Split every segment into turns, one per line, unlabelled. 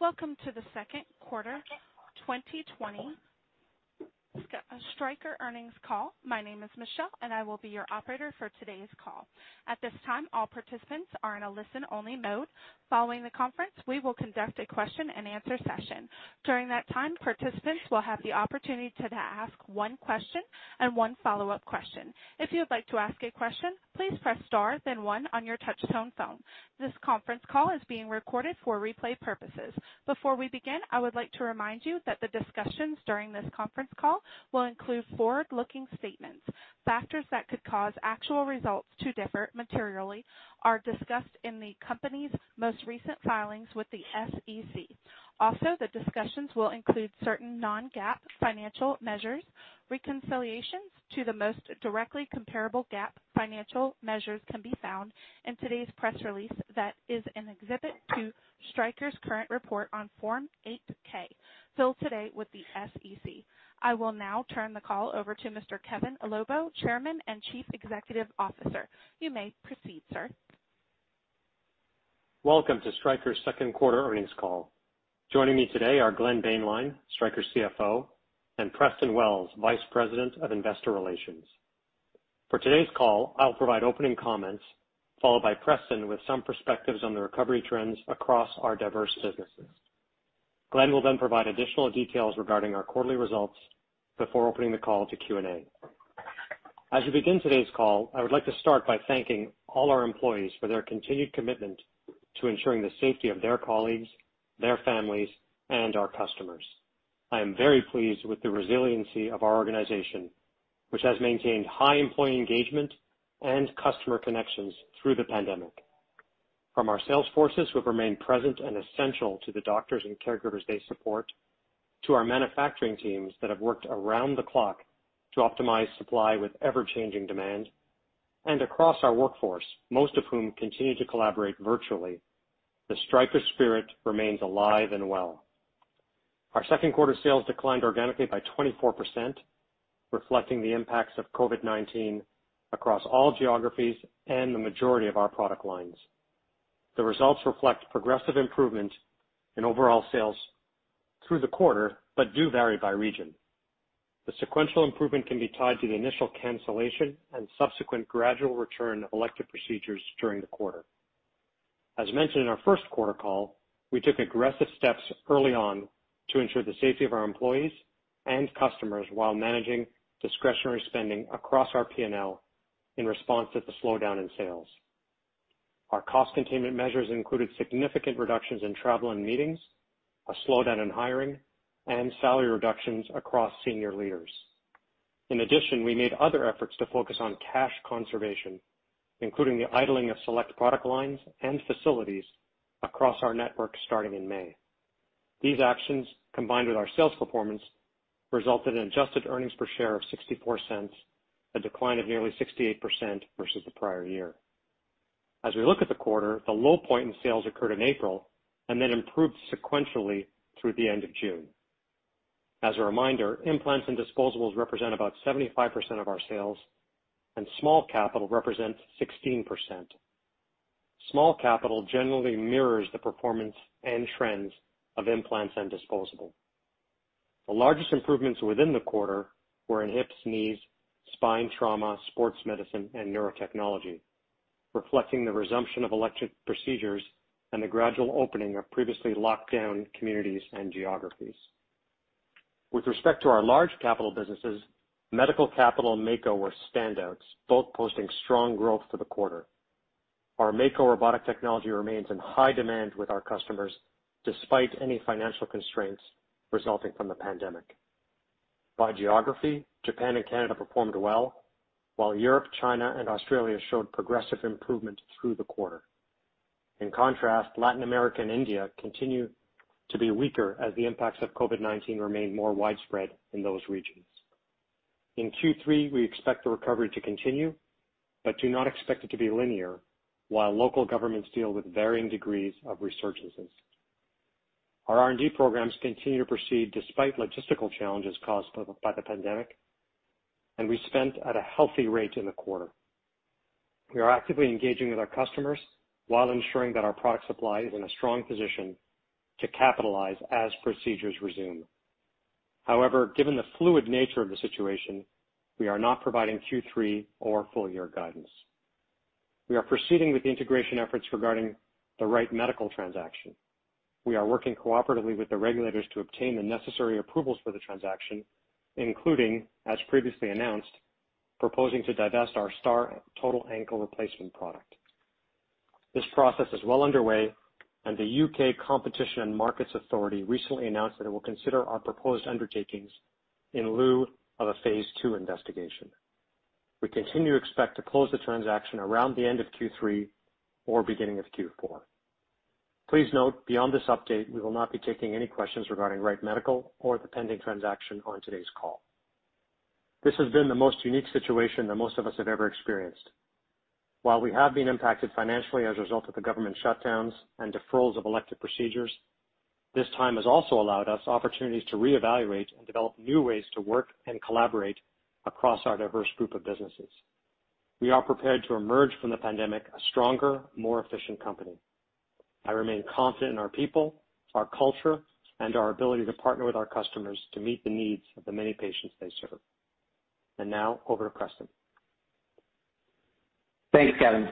Welcome to the Second Quarter 2020 Stryker Earnings Call. My name is Michelle, and I will be your operator for today's call. At this time, all participants are in a listen-only mode. Following the conference, we will conduct a question-and-answer session. During that time, participants will have the opportunity to ask one question and one follow-up question. If you would like to ask a question, please press star then one on your touchtone phone. This conference call is being recorded for replay purposes. Before we begin, I would like to remind you that the discussions during this conference call will include forward-looking statements. Factors that could cause actual results to differ materially are discussed in the company's most recent filings with the SEC. Also, the discussions will include certain non-GAAP financial measures. Reconciliations to the most directly comparable GAAP financial measures can be found in today's press release that is in exhibit two, Stryker's current report on Form 8-K, filed today with the SEC. I will now turn the call over to Mr. Kevin Lobo, Chairman and Chief Executive Officer. You may proceed, sir.
Welcome to Stryker's Second Quarter Earnings call. Joining me today are Glenn Boehnlein, Stryker CFO, and Preston Wells, Vice President of Investor Relations. For today's call, I'll provide opening comments, followed by Preston with some perspectives on the recovery trends across our diverse businesses. Glenn will provide additional details regarding our quarterly results before opening the call to Q&A. As we begin today's call, I would like to start by thanking all our employees for their continued commitment to ensuring the safety of their colleagues, their families, and our customers. I am very pleased with the resiliency of our organization, which has maintained high employee engagement and customer connections through the pandemic. From our sales forces who have remained present and essential to the doctors and caregivers they support, to our manufacturing teams that have worked around the clock to optimize supply with ever-changing demand, and across our workforce, most of whom continue to collaborate virtually, the Stryker spirit remains alive and well. Our second quarter sales declined organically by 24%, reflecting the impacts of COVID-19 across all geographies and the majority of our product lines. The results reflect progressive improvement in overall sales through the quarter, but do vary by region. The sequential improvement can be tied to the initial cancellation and subsequent gradual return of elective procedures during the quarter. As mentioned in our first quarter call, we took aggressive steps early on to ensure the safety of our employees and customers while managing discretionary spending across our P&L in response to the slowdown in sales. Our cost containment measures included significant reductions in travel and meetings, a slowdown in hiring, and salary reductions across senior leaders. In addition, we made other efforts to focus on cash conservation, including the idling of select product lines and facilities across our network starting in May. These actions, combined with our sales performance, resulted in adjusted earnings per share of $0.64, a decline of nearly 68% versus the prior year. As we look at the quarter, the low point in sales occurred in April and then improved sequentially through the end of June. As a reminder, implants and disposables represent about 75% of our sales, and small capital represents 16%. Small capital generally mirrors the performance and trends of implants and disposables. The largest improvements within the quarter were in hips, knees, spine trauma, sports medicine, and Neurotechnology, reflecting the resumption of elective procedures and the gradual opening of previously locked down communities and geographies. With respect to our large capital businesses, medical capital and Mako were standouts, both posting strong growth for the quarter. Our Mako robotic technology remains in high demand with our customers, despite any financial constraints resulting from the pandemic. By geography, Japan and Canada performed well, while Europe, China, and Australia showed progressive improvement through the quarter. In contrast, Latin America and India continue to be weaker as the impacts of COVID-19 remain more widespread in those regions. In Q3, we expect the recovery to continue, but do not expect it to be linear while local governments deal with varying degrees of resurgences. Our R&D programs continue to proceed despite logistical challenges caused by the pandemic. We spent at a healthy rate in the quarter. We are actively engaging with our customers while ensuring that our product supply is in a strong position to capitalize as procedures resume. Given the fluid nature of the situation, we are not providing Q3 or full-year guidance. We are proceeding with the integration efforts regarding the Wright Medical transaction. We are working cooperatively with the regulators to obtain the necessary approvals for the transaction, including, as previously announced, proposing to divest our STAR total ankle replacement product. This process is well underway, and the U.K. Competition and Markets Authority recently announced that it will consider our proposed undertakings in lieu of a phase II investigation. We continue to expect to close the transaction around the end of Q3 or beginning of Q4. Please note, beyond this update, we will not be taking any questions regarding Wright Medical or the pending transaction on today's call. This has been the most unique situation that most of us have ever experienced. While we have been impacted financially as a result of the government shutdowns and deferrals of elective procedures, this time has also allowed us opportunities to reevaluate and develop new ways to work and collaborate across our diverse group of businesses. We are prepared to emerge from the pandemic a stronger, more efficient company. I remain confident in our people, our culture, and our ability to partner with our customers to meet the needs of the many patients they serve. Now over to Preston.
Thanks, Kevin.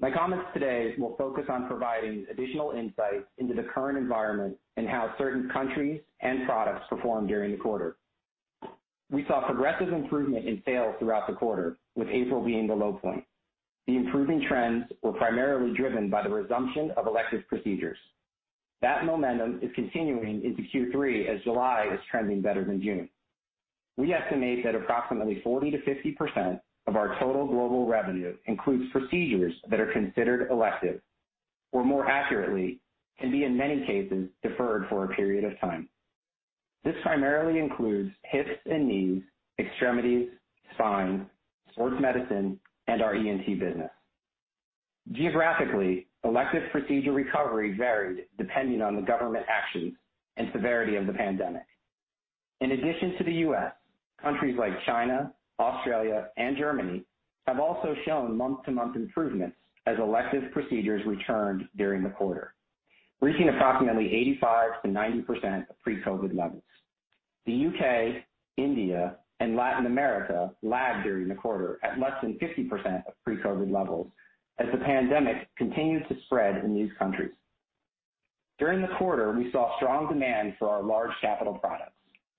My comments today will focus on providing additional insights into the current environment and how certain countries and products performed during the quarter. We saw progressive improvement in sales throughout the quarter, with April being the low point. The improving trends were primarily driven by the resumption of elective procedures. That momentum is continuing into Q3, as July is trending better than June. We estimate that approximately 40%-50% of our total global revenue includes procedures that are considered elective, or more accurately, can be in many cases, deferred for a period of time. This primarily includes hips and knees, extremities, spine, sports medicine, and our ENT business. Geographically, elective procedure recovery varied depending on the government actions and severity of the pandemic. In addition to the U.S., countries like China, Australia, and Germany have also shown month-to-month improvements as elective procedures returned during the quarter, reaching approximately 85%-90% of pre-COVID-19 levels. The U.K., India, and Latin America lagged during the quarter at less than 50% of pre-COVID-19 levels as the pandemic continued to spread in these countries. During the quarter, we saw strong demand for our large capital products,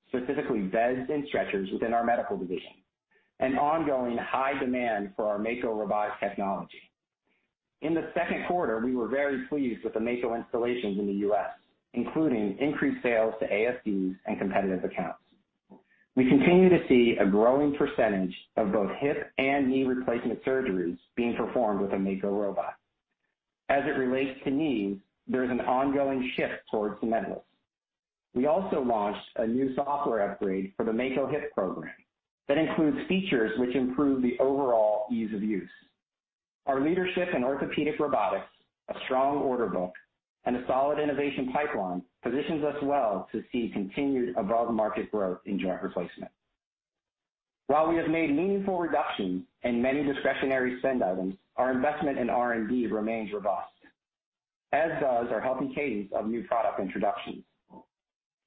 specifically beds and stretchers within our medical division, and ongoing high demand for our Mako revise technology. In the second quarter, we were very pleased with the Mako installations in the U.S., including increased sales to ASCs and competitive accounts. We continue to see a growing percentage of both hip and knee replacement surgeries being performed with a Mako robot. As it relates to knees, there is an ongoing shift towards the medial. We also launched a new software upgrade for the Mako Hip program that includes features which improve the overall ease of use. Our leadership in orthopedic robotics, a strong order book, and a solid innovation pipeline positions us well to see continued above-market growth in joint replacement. While we have made meaningful reductions in many discretionary spend items, our investment in R&D remains robust, as does our healthy cadence of new product introductions.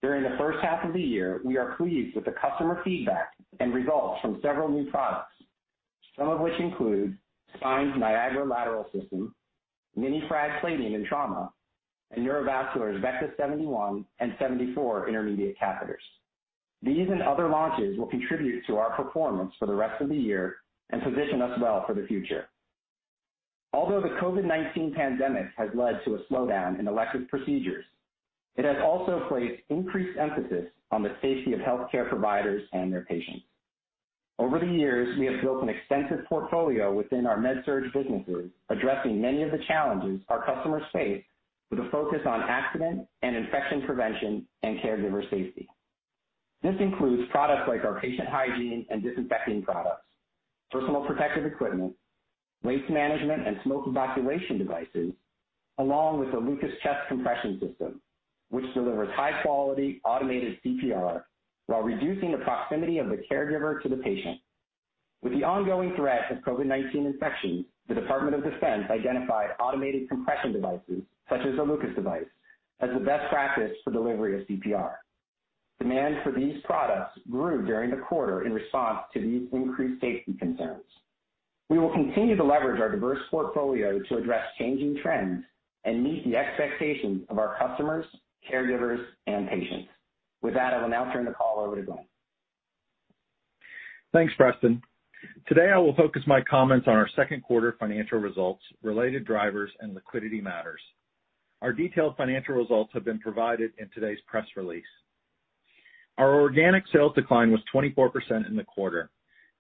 During the first half of the year, we are pleased with the customer feedback and results from several new products, some of which include Spine's Niagara Lateral Access System, Mini-Frag Plating in Trauma, and Neurovascular's AXS Vecta 71 and AXS Vecta 74 intermediate catheters. These and other launches will contribute to our performance for the rest of the year and position us well for the future. Although the COVID-19 pandemic has led to a slowdown in elective procedures, it has also placed increased emphasis on the safety of healthcare providers and their patients. Over the years, we have built an extensive portfolio within our MedSurg businesses, addressing many of the challenges our customers face with a focus on accident and infection prevention and caregiver safety. This includes products like our patient hygiene and disinfecting products, personal protective equipment, waste management and smoke evacuation devices, along with the LUCAS chest compression system, which delivers high-quality automated CPR while reducing the proximity of the caregiver to the patient. With the ongoing threat of COVID-19 infection, the Department of Defense identified automated compression devices, such as the LUCAS device, as the best practice for delivery of CPR. Demand for these products grew during the quarter in response to these increased safety concerns. We will continue to leverage our diverse portfolio to address changing trends and meet the expectations of our customers, caregivers, and patients. With that, I will now turn the call over to Glenn.
Thanks, Preston. Today, I will focus my comments on our second quarter financial results, related drivers, and liquidity matters. Our detailed financial results have been provided in today's press release. Our organic sales decline was 24% in the quarter.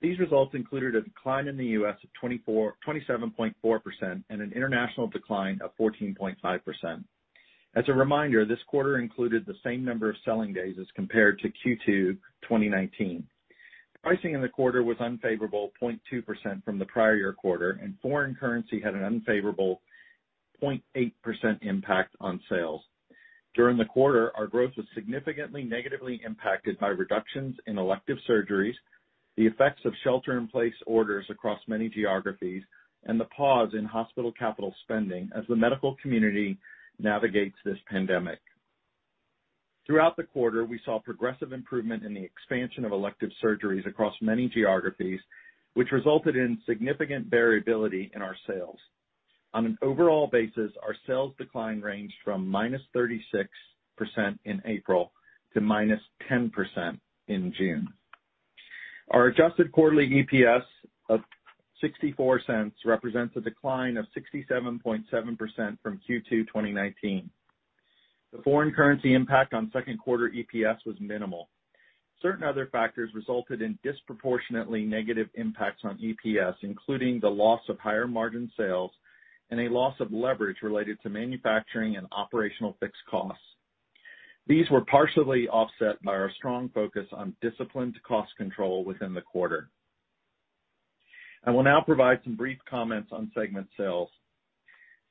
These results included a decline in the U.S. of 27.4% and an international decline of 14.5%. As a reminder, this quarter included the same number of selling days as compared to Q2 2019. Pricing in the quarter was unfavorable, 0.2% from the prior year quarter, and foreign currency had an unfavorable 0.8% impact on sales. During the quarter, our growth was significantly negatively impacted by reductions in elective surgeries, the effects of shelter-in-place orders across many geographies, and the pause in hospital capital spending as the medical community navigates this pandemic. Throughout the quarter, we saw progressive improvement in the expansion of elective surgeries across many geographies, which resulted in significant variability in our sales. On an overall basis, our sales decline ranged from -36% in April to -10% in June. Our adjusted quarterly EPS of $0.64 represents a decline of 67.7% from Q2 2019. The foreign currency impact on second quarter EPS was minimal. Certain other factors resulted in disproportionately negative impacts on EPS, including the loss of higher-margin sales and a loss of leverage related to manufacturing and operational fixed costs. These were partially offset by our strong focus on disciplined cost control within the quarter. I will now provide some brief comments on segment sales.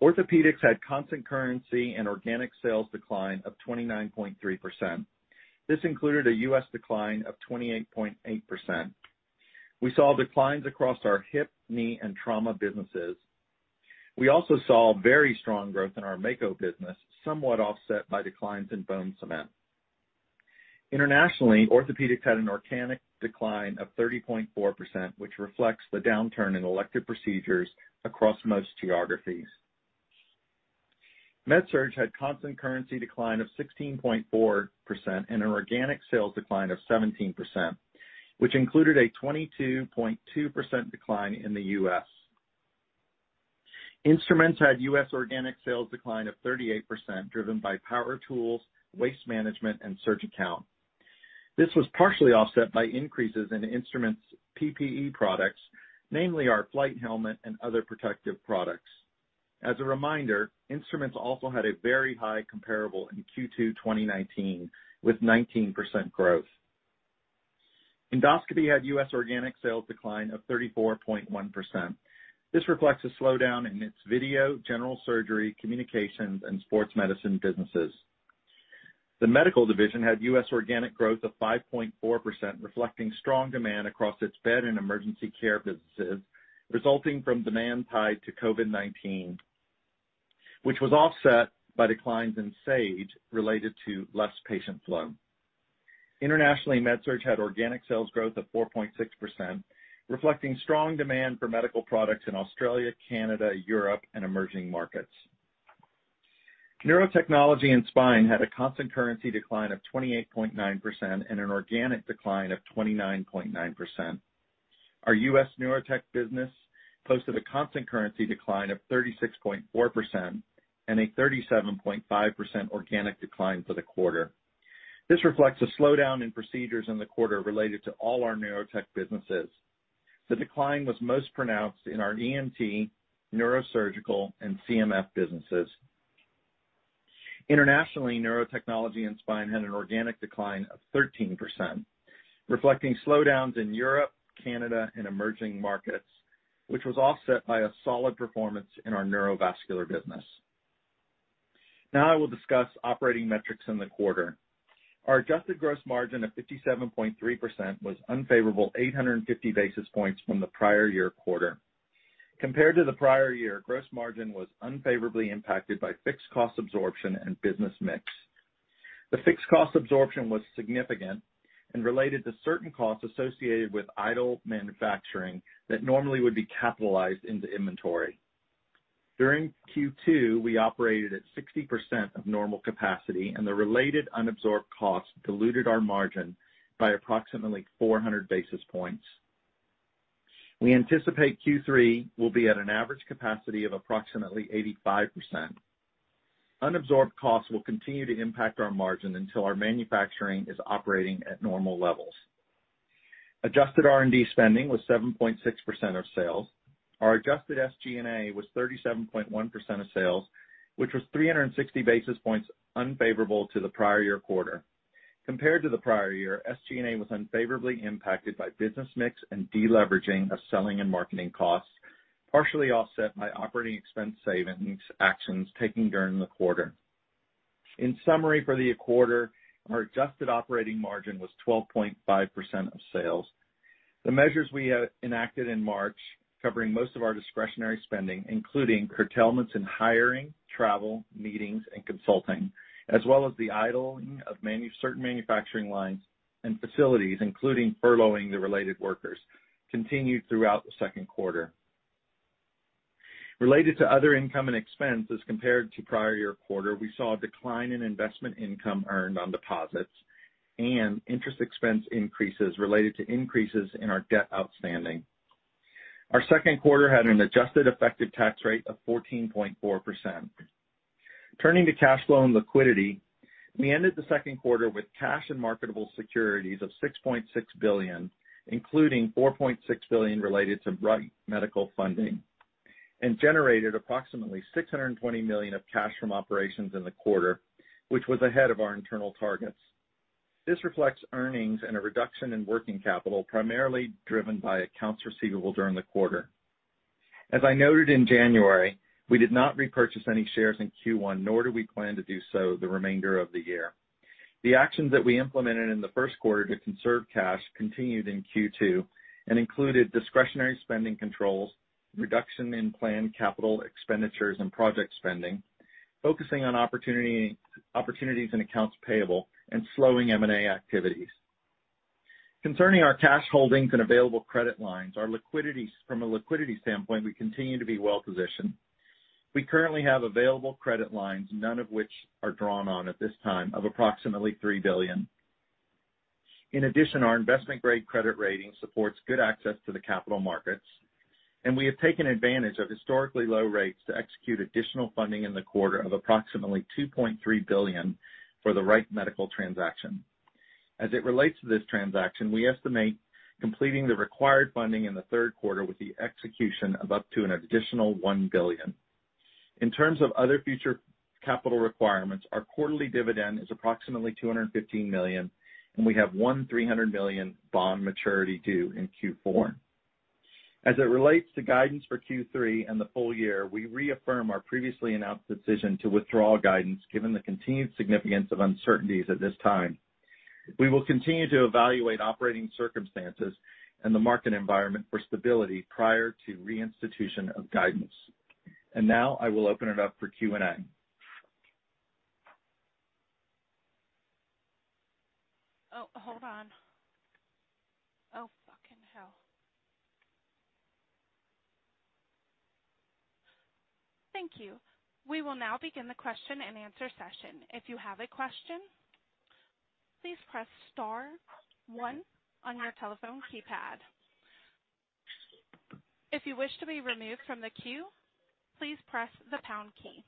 Orthopedics had constant currency and organic sales decline of 29.3%. This included a U.S. decline of 28.8%. We saw declines across our hip, knee, and trauma businesses. We also saw very strong growth in our Mako business, somewhat offset by declines in bone cement. Internationally, Orthopedics had an organic decline of 30.4%, which reflects the downturn in elective procedures across most geographies. MedSurg had constant currency decline of 16.4% and an organic sales decline of 17%, which included a 22.2% decline in the U.S. Instruments had U.S. organic sales decline of 38%, driven by power tools, waste management, and SurgiCount. This was partially offset by increases in Instruments' PPE products, namely our Flyte Helmet and other protective products. As a reminder, Instruments also had a very high comparable in Q2 2019, with 19% growth. Endoscopy had U.S. organic sales decline of 34.1%. This reflects a slowdown in its video, general surgery, communications, and sports medicine businesses. The Medical division had U.S. organic growth of 5.4%, reflecting strong demand across its bed and emergency care businesses, resulting from demand tied to COVID-19, which was offset by declines in Sage, related to less patient flow. Internationally, MedSurg had organic sales growth of 4.6%, reflecting strong demand for medical products in Australia, Canada, Europe, and emerging markets. Neurotechnology and Spine had a constant currency decline of 28.9% and an organic decline of 29.9%. Our U.S. Neurotech business posted a constant currency decline of 36.4% and a 37.5% organic decline for the quarter. This reflects a slowdown in procedures in the quarter related to all our Neurotech businesses. The decline was most pronounced in our ENT, neurosurgical, and CMF businesses. Internationally, Neurotechnology and Spine had an organic decline of 13%, reflecting slowdowns in Europe, Canada, and emerging markets, which was offset by a solid performance in our neurovascular business. Now I will discuss operating metrics in the quarter. Our adjusted gross margin of 57.3% was unfavorable 850 basis points from the prior year quarter. Compared to the prior year, gross margin was unfavorably impacted by fixed cost absorption and business mix. The fixed cost absorption was significant and related to certain costs associated with idle manufacturing that normally would be capitalized into inventory. During Q2, we operated at 60% of normal capacity, and the related unabsorbed costs diluted our margin by approximately 400 basis points. We anticipate Q3 will be at an average capacity of approximately 85%. Unabsorbed costs will continue to impact our margin until our manufacturing is operating at normal levels. Adjusted R&D spending was 7.6% of sales. Our adjusted SG&A was 37.1% of sales, which was 360 basis points unfavorable to the prior year quarter. Compared to the prior year, SG&A was unfavorably impacted by business mix and deleveraging of selling and marketing costs, partially offset by operating expense savings actions taken during the quarter. In summary, for the quarter, our adjusted operating margin was 12.5% of sales. The measures we have enacted in March, covering most of our discretionary spending, including curtailments in hiring, travel, meetings, and consulting, as well as the idling of certain manufacturing lines and facilities, including furloughing the related workers, continued throughout the second quarter. Related to other income and expense as compared to prior year quarter, we saw a decline in investment income earned on deposits and interest expense increases related to increases in our debt outstanding. Our second quarter had an adjusted effective tax rate of 14.4%. Turning to cash flow and liquidity, we ended the second quarter with cash and marketable securities of $6.6 billion, including $4.6 billion related to Wright Medical funding, and generated approximately $620 million of cash from operations in the quarter, which was ahead of our internal targets. This reflects earnings and a reduction in working capital, primarily driven by accounts receivable during the quarter. As I noted in January, we did not repurchase any shares in Q1, nor do we plan to do so the remainder of the year. The actions that we implemented in the first quarter to conserve cash continued in Q2 and included discretionary spending controls, reduction in planned capital expenditures and project spending, focusing on opportunities in accounts payable, and slowing M&A activities. Concerning our cash holdings and available credit lines, from a liquidity standpoint, we continue to be well-positioned. We currently have available credit lines, none of which are drawn on at this time, of approximately $3 billion. In addition, our investment-grade credit rating supports good access to the capital markets, and we have taken advantage of historically low rates to execute additional funding in the quarter of approximately $2.3 billion for the Wright Medical transaction. As it relates to this transaction, we estimate completing the required funding in the third quarter with the execution of up to an additional $1 billion. In terms of other future Capital requirements. Our quarterly dividend is approximately $215 million, and we have one $300 million bond maturity due in Q4. As it relates to guidance for Q3 and the full year, we reaffirm our previously announced decision to withdraw guidance, given the continued significance of uncertainties at this time. We will continue to evaluate operating circumstances and the market environment for stability prior to the reinstitution of guidance. Now I will open it up for Q&A.
Oh, hold on. Oh, fucking hell. Thank you. We will now begin the question and answer session. If you have a question, please press star one on your telephone keypad. If you wish to be removed from the queue, please press the pound key.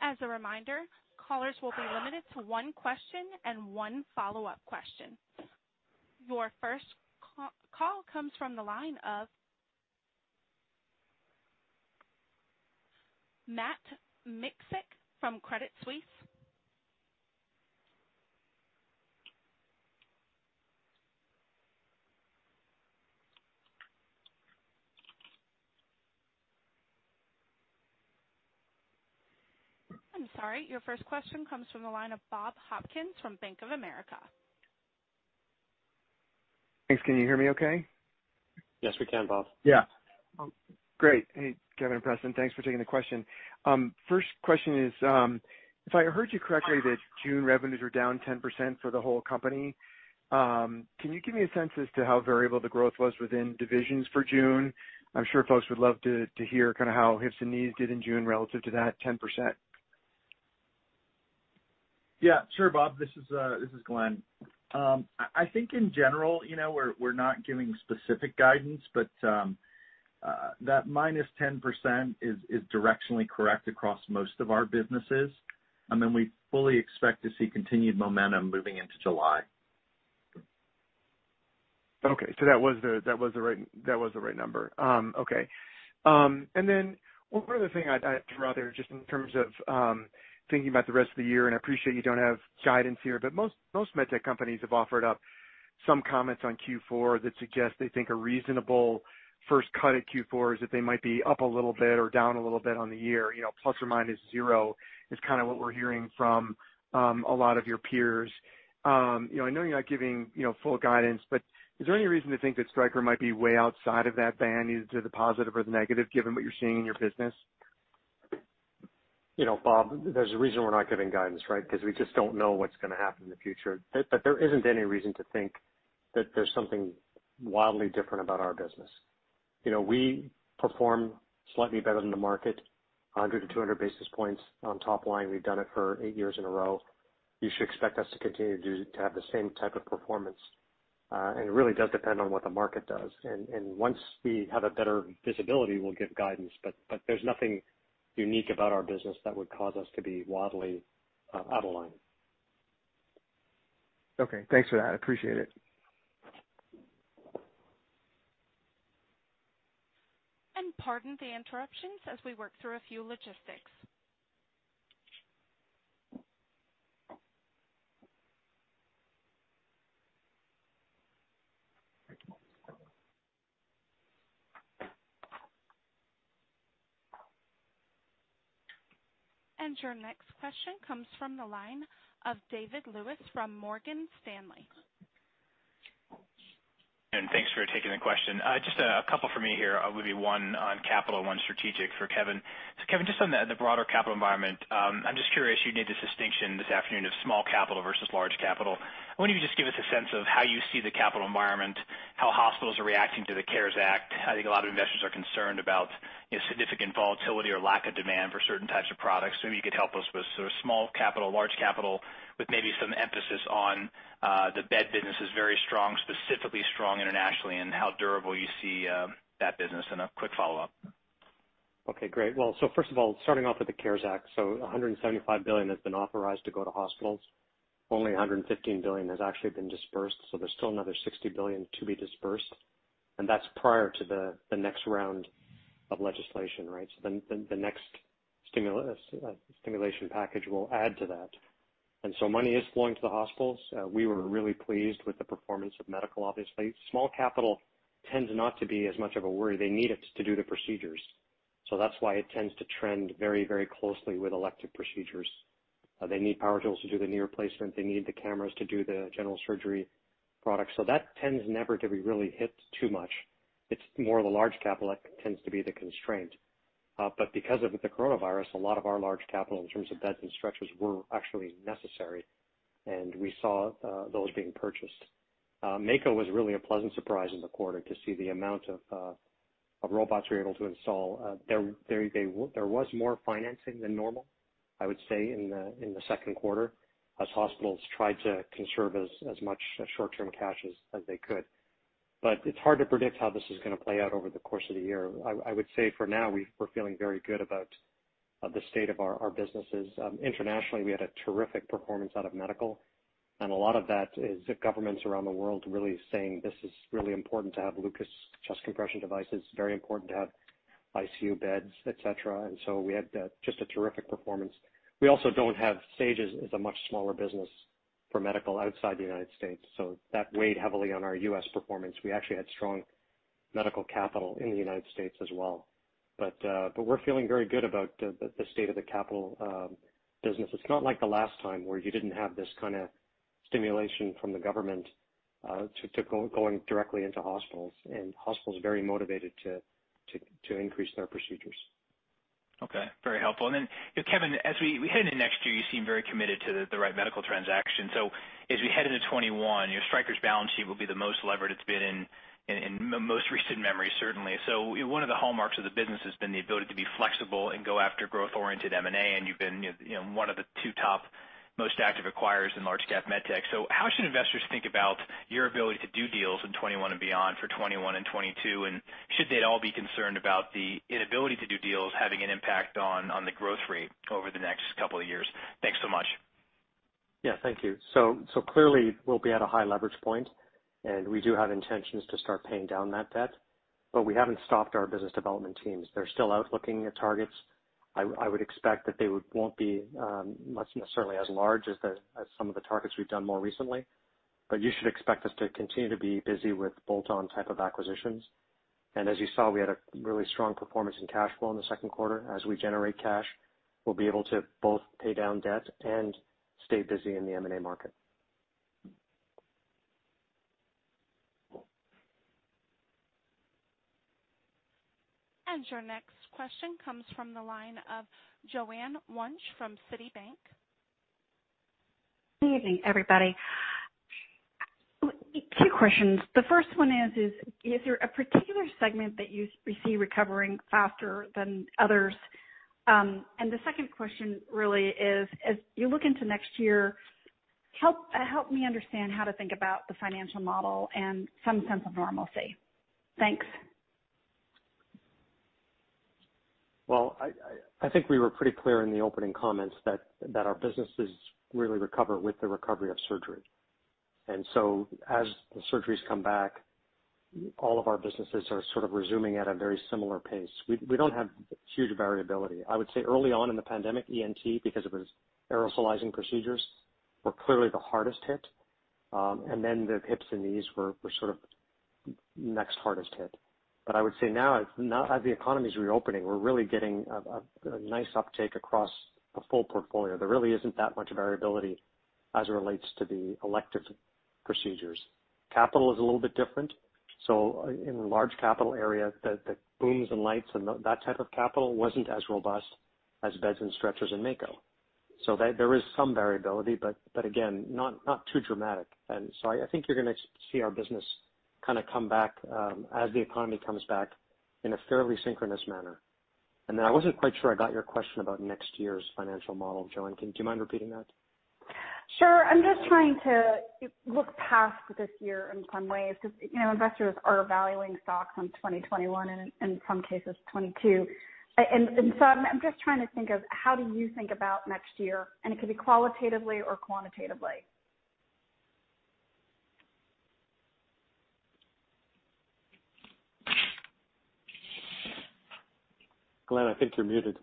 As a reminder, callers will be limited to one question and one follow-up question. Your first call comes from the line of Matt Miksic from Credit Suisse. I'm sorry. Your first question comes from the line of Bob Hopkins from Bank of America.
Thanks. Can you hear me okay?
Yes, we can, Bob.
Yeah. Great. Hey, Kevin and Preston. Thanks for taking the question. First question is, if I heard you correctly, that June revenues are down 10% for the whole company. Can you give me a sense as to how variable the growth was within divisions for June? I'm sure folks would love to hear how hips and knees did in June relative to that 10%.
Yeah, sure. Bob, this is Glenn. I think in general, we're not giving specific guidance, but that -10% is directionally correct across most of our businesses. We fully` expect to see continued momentum moving into July.
Okay. That was the right number. Okay. One other thing I'd throw out there, just in terms of thinking about the rest of the year, and I appreciate you don't have guidance here, but most med tech companies have offered up some comments on Q4 that suggest they think a reasonable first cut at Q4 is that they might be up a little bit or down a little bit on the year. ±0% is kind of what we're hearing from a lot of your peers. I know you're not giving full guidance, but is there any reason to think that Stryker might be way outside of that band, either to the positive or the negative, given what you're seeing in your business?
Bob, there's a reason we're not giving guidance, right? Because we just don't know what's going to happen in the future. There isn't any reason to think that there's something wildly different about our business. We perform slightly better than the market, 100-200 basis points on top line. We've done it for eight years in a row. It really does depend on what the market does. Once we have a better visibility, we'll give guidance. There's nothing unique about our business that would cause us to be wildly out of line.
Okay. Thanks for that. I appreciate it.
Pardon the interruptions as we work through a few logistics. Your next question comes from the line of David Lewis from Morgan Stanley.
Thanks for taking the question. Just a couple from me here. Maybe one on capital, one strategic for Kevin. Kevin, just on the broader capital environment, I'm just curious, you made this distinction this afternoon of small capital versus large capital. I wonder if you could just give us a sense of how you see the capital environment, how hospitals are reacting to the CARES Act. I think a lot of investors are concerned about significant volatility or lack of demand for certain types of products. Maybe you could help us with sort of small capital, large capital, with maybe some emphasis on the bed business is very strong, specifically strong internationally, and how durable you see that business, and a quick follow-up.
First of all, starting off with the CARES Act, $175 billion has been authorized to go to hospitals. Only $115 billion has actually been dispersed, there's still another $60 billion to be dispersed. That's prior to the next round of legislation. The next stimulation package will add to that. Money is flowing to the hospitals. We were really pleased with the performance of medical, obviously. Small capital tends not to be as much of a worry. They need it to do the procedures. That's why it tends to trend very closely with elective procedures. They need power tools to do the knee replacement. They need the cameras to do the general surgery products. That tends never to be really hit too much. It's more the large capital that tends to be the constraint. Because of the COVID-19, a lot of our large capital in terms of beds and stretchers were actually necessary, and we saw those being purchased. Mako was really a pleasant surprise in the quarter to see the amount of robots we were able to install. There was more financing than normal, I would say, in the second quarter as hospitals tried to conserve as much short-term cash as they could. It's hard to predict how this is going to play out over the course of the year. I would say for now, we're feeling very good about the state of our businesses. Internationally, we had a terrific performance out of medical. A lot of that is governments around the world really saying this is really important to have LUCAS chest compression devices, very important to have ICU beds, et cetera. We had just a terrific performance. We also don't have, Sage is a much smaller business for medical outside the U.S., so that weighed heavily on our U.S. performance. We actually had strong medical capital in the U.S. as well. We're feeling very good about the state of the capital business. It's not like the last time where you didn't have this kind of stimulation from the government to going directly into hospitals, and hospitals are very motivated to increase their procedures.
Okay. Very helpful. Kevin, as we head into next year, you seem very committed to the Wright Medical transaction. As we head into 2021, Stryker's balance sheet will be the most levered it's been in most recent memory, certainly. One of the hallmarks of the business has been the ability to be flexible and go after growth-oriented M&A, and you've been one of the two top most active acquirers in large-cap med tech. How should investors think about your ability to do deals in 2021 and beyond for 2021 and 2022, and should they at all be concerned about the inability to do deals having an impact on the growth rate over the next couple of years? Thanks so much.
Yeah. Thank you. Clearly, we'll be at a high leverage point, and we do have intentions to start paying down that debt. We haven't stopped our business development teams. They're still out looking at targets. I would expect that they won't be certainly as large as some of the targets we've done more recently, but you should expect us to continue to be busy with bolt-on type of acquisitions. As you saw, we had a really strong performance in cash flow in the second quarter. As we generate cash, we'll be able to both pay down debt and stay busy in the M&A market.
Your next question comes from the line of Joanne Wuensch from Citi.
Good evening, everybody. Two questions. The first one is there a particular segment that you see recovering faster than others? The second question really is, as you look into next year, help me understand how to think about the financial model and some sense of normalcy. Thanks.
Well, I think we were pretty clear in the opening comments that our businesses really recover with the recovery of surgery. As the surgeries come back, all of our businesses are sort of resuming at a very similar pace. We don't have huge variability. I would say early on in the pandemic, ENT, because it was aerosolizing procedures, were clearly the hardest hit. Then the hips and knees were sort of next hardest hit. I would say now, as the economy's reopening, we're really getting a nice uptake across the full portfolio. There really isn't that much variability as it relates to the elective procedures. Capital is a little bit different. In large capital area, the booms and lights and that type of capital wasn't as robust as beds and stretchers in Mako. There is some variability, but again, not too dramatic. I think you're going to see our business kind of come back as the economy comes back in a fairly synchronous manner. I wasn't quite sure I got your question about next year's financial model, Joanne. Do you mind repeating that?
Sure. I'm just trying to look past this year in some ways because investors are valuing stocks on 2021 and in some cases 2022. I'm just trying to think of how do you think about next year, and it could be qualitatively or quantitatively.
Glenn, I think you're muted.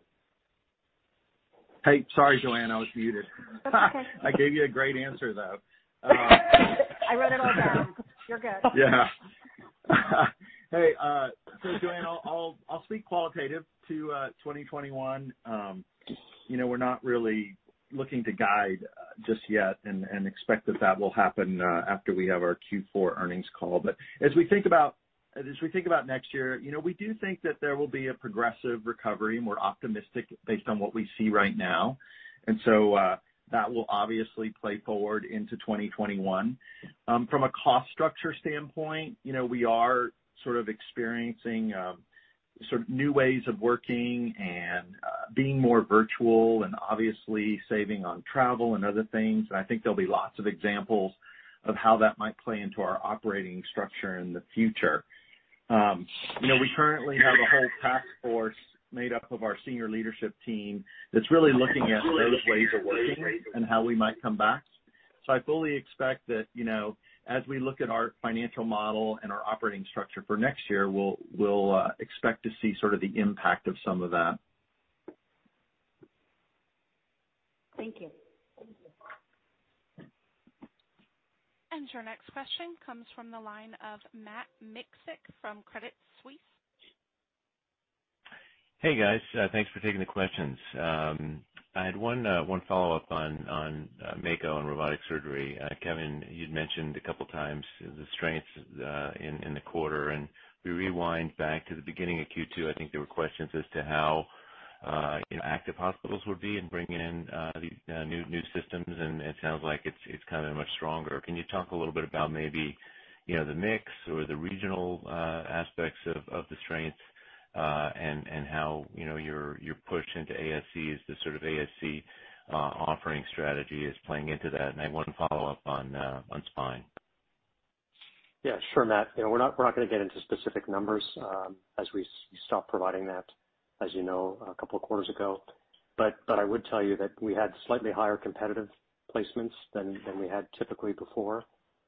Hey, sorry, Joanne, I was muted.
That's okay.
I gave you a great answer, though.
I wrote it all down. You're good.
Yeah. Hey, Joanne, I'll speak qualitative to 2021. We're not really looking to guide just yet and expect that that will happen after we have our Q4 earnings call. As we think about next year, we do think that there will be a progressive recovery, and we're optimistic based on what we see right now. That will obviously play forward into 2021. From a cost structure standpoint, we are sort of experiencing new ways of working and being more virtual and obviously saving on travel and other things. I think there'll be lots of examples of how that might play into our operating structure in the future. We currently have a whole task force made up of our senior leadership team that's really looking at those ways of working and how we might come back. I fully expect that as we look at our financial model and our operating structure for next year, we'll expect to see sort of the impact of some of that.
Thank you.
Your next question comes from the line of Matt Miksic from Credit Suisse.
Hey, guys. Thanks for taking the questions. I had one follow-up on Mako and robotic surgery. Kevin, you'd mentioned a couple times the strengths in the quarter, we rewind back to the beginning of Q2, I think there were questions as to how active hospitals would be in bringing in these new systems, and it sounds like it's kind of much stronger. Can you talk a little bit about maybe the mix or the regional aspects of the strengths, how your push into ASC is the sort of ASC offering strategy is playing into that? I had one follow-up on spine.
Yeah, sure, Matt. We're not going to get into specific numbers as we stopped providing that, as you know, a couple of quarters ago. I would tell you that we had slightly higher competitive placements than we had typically before,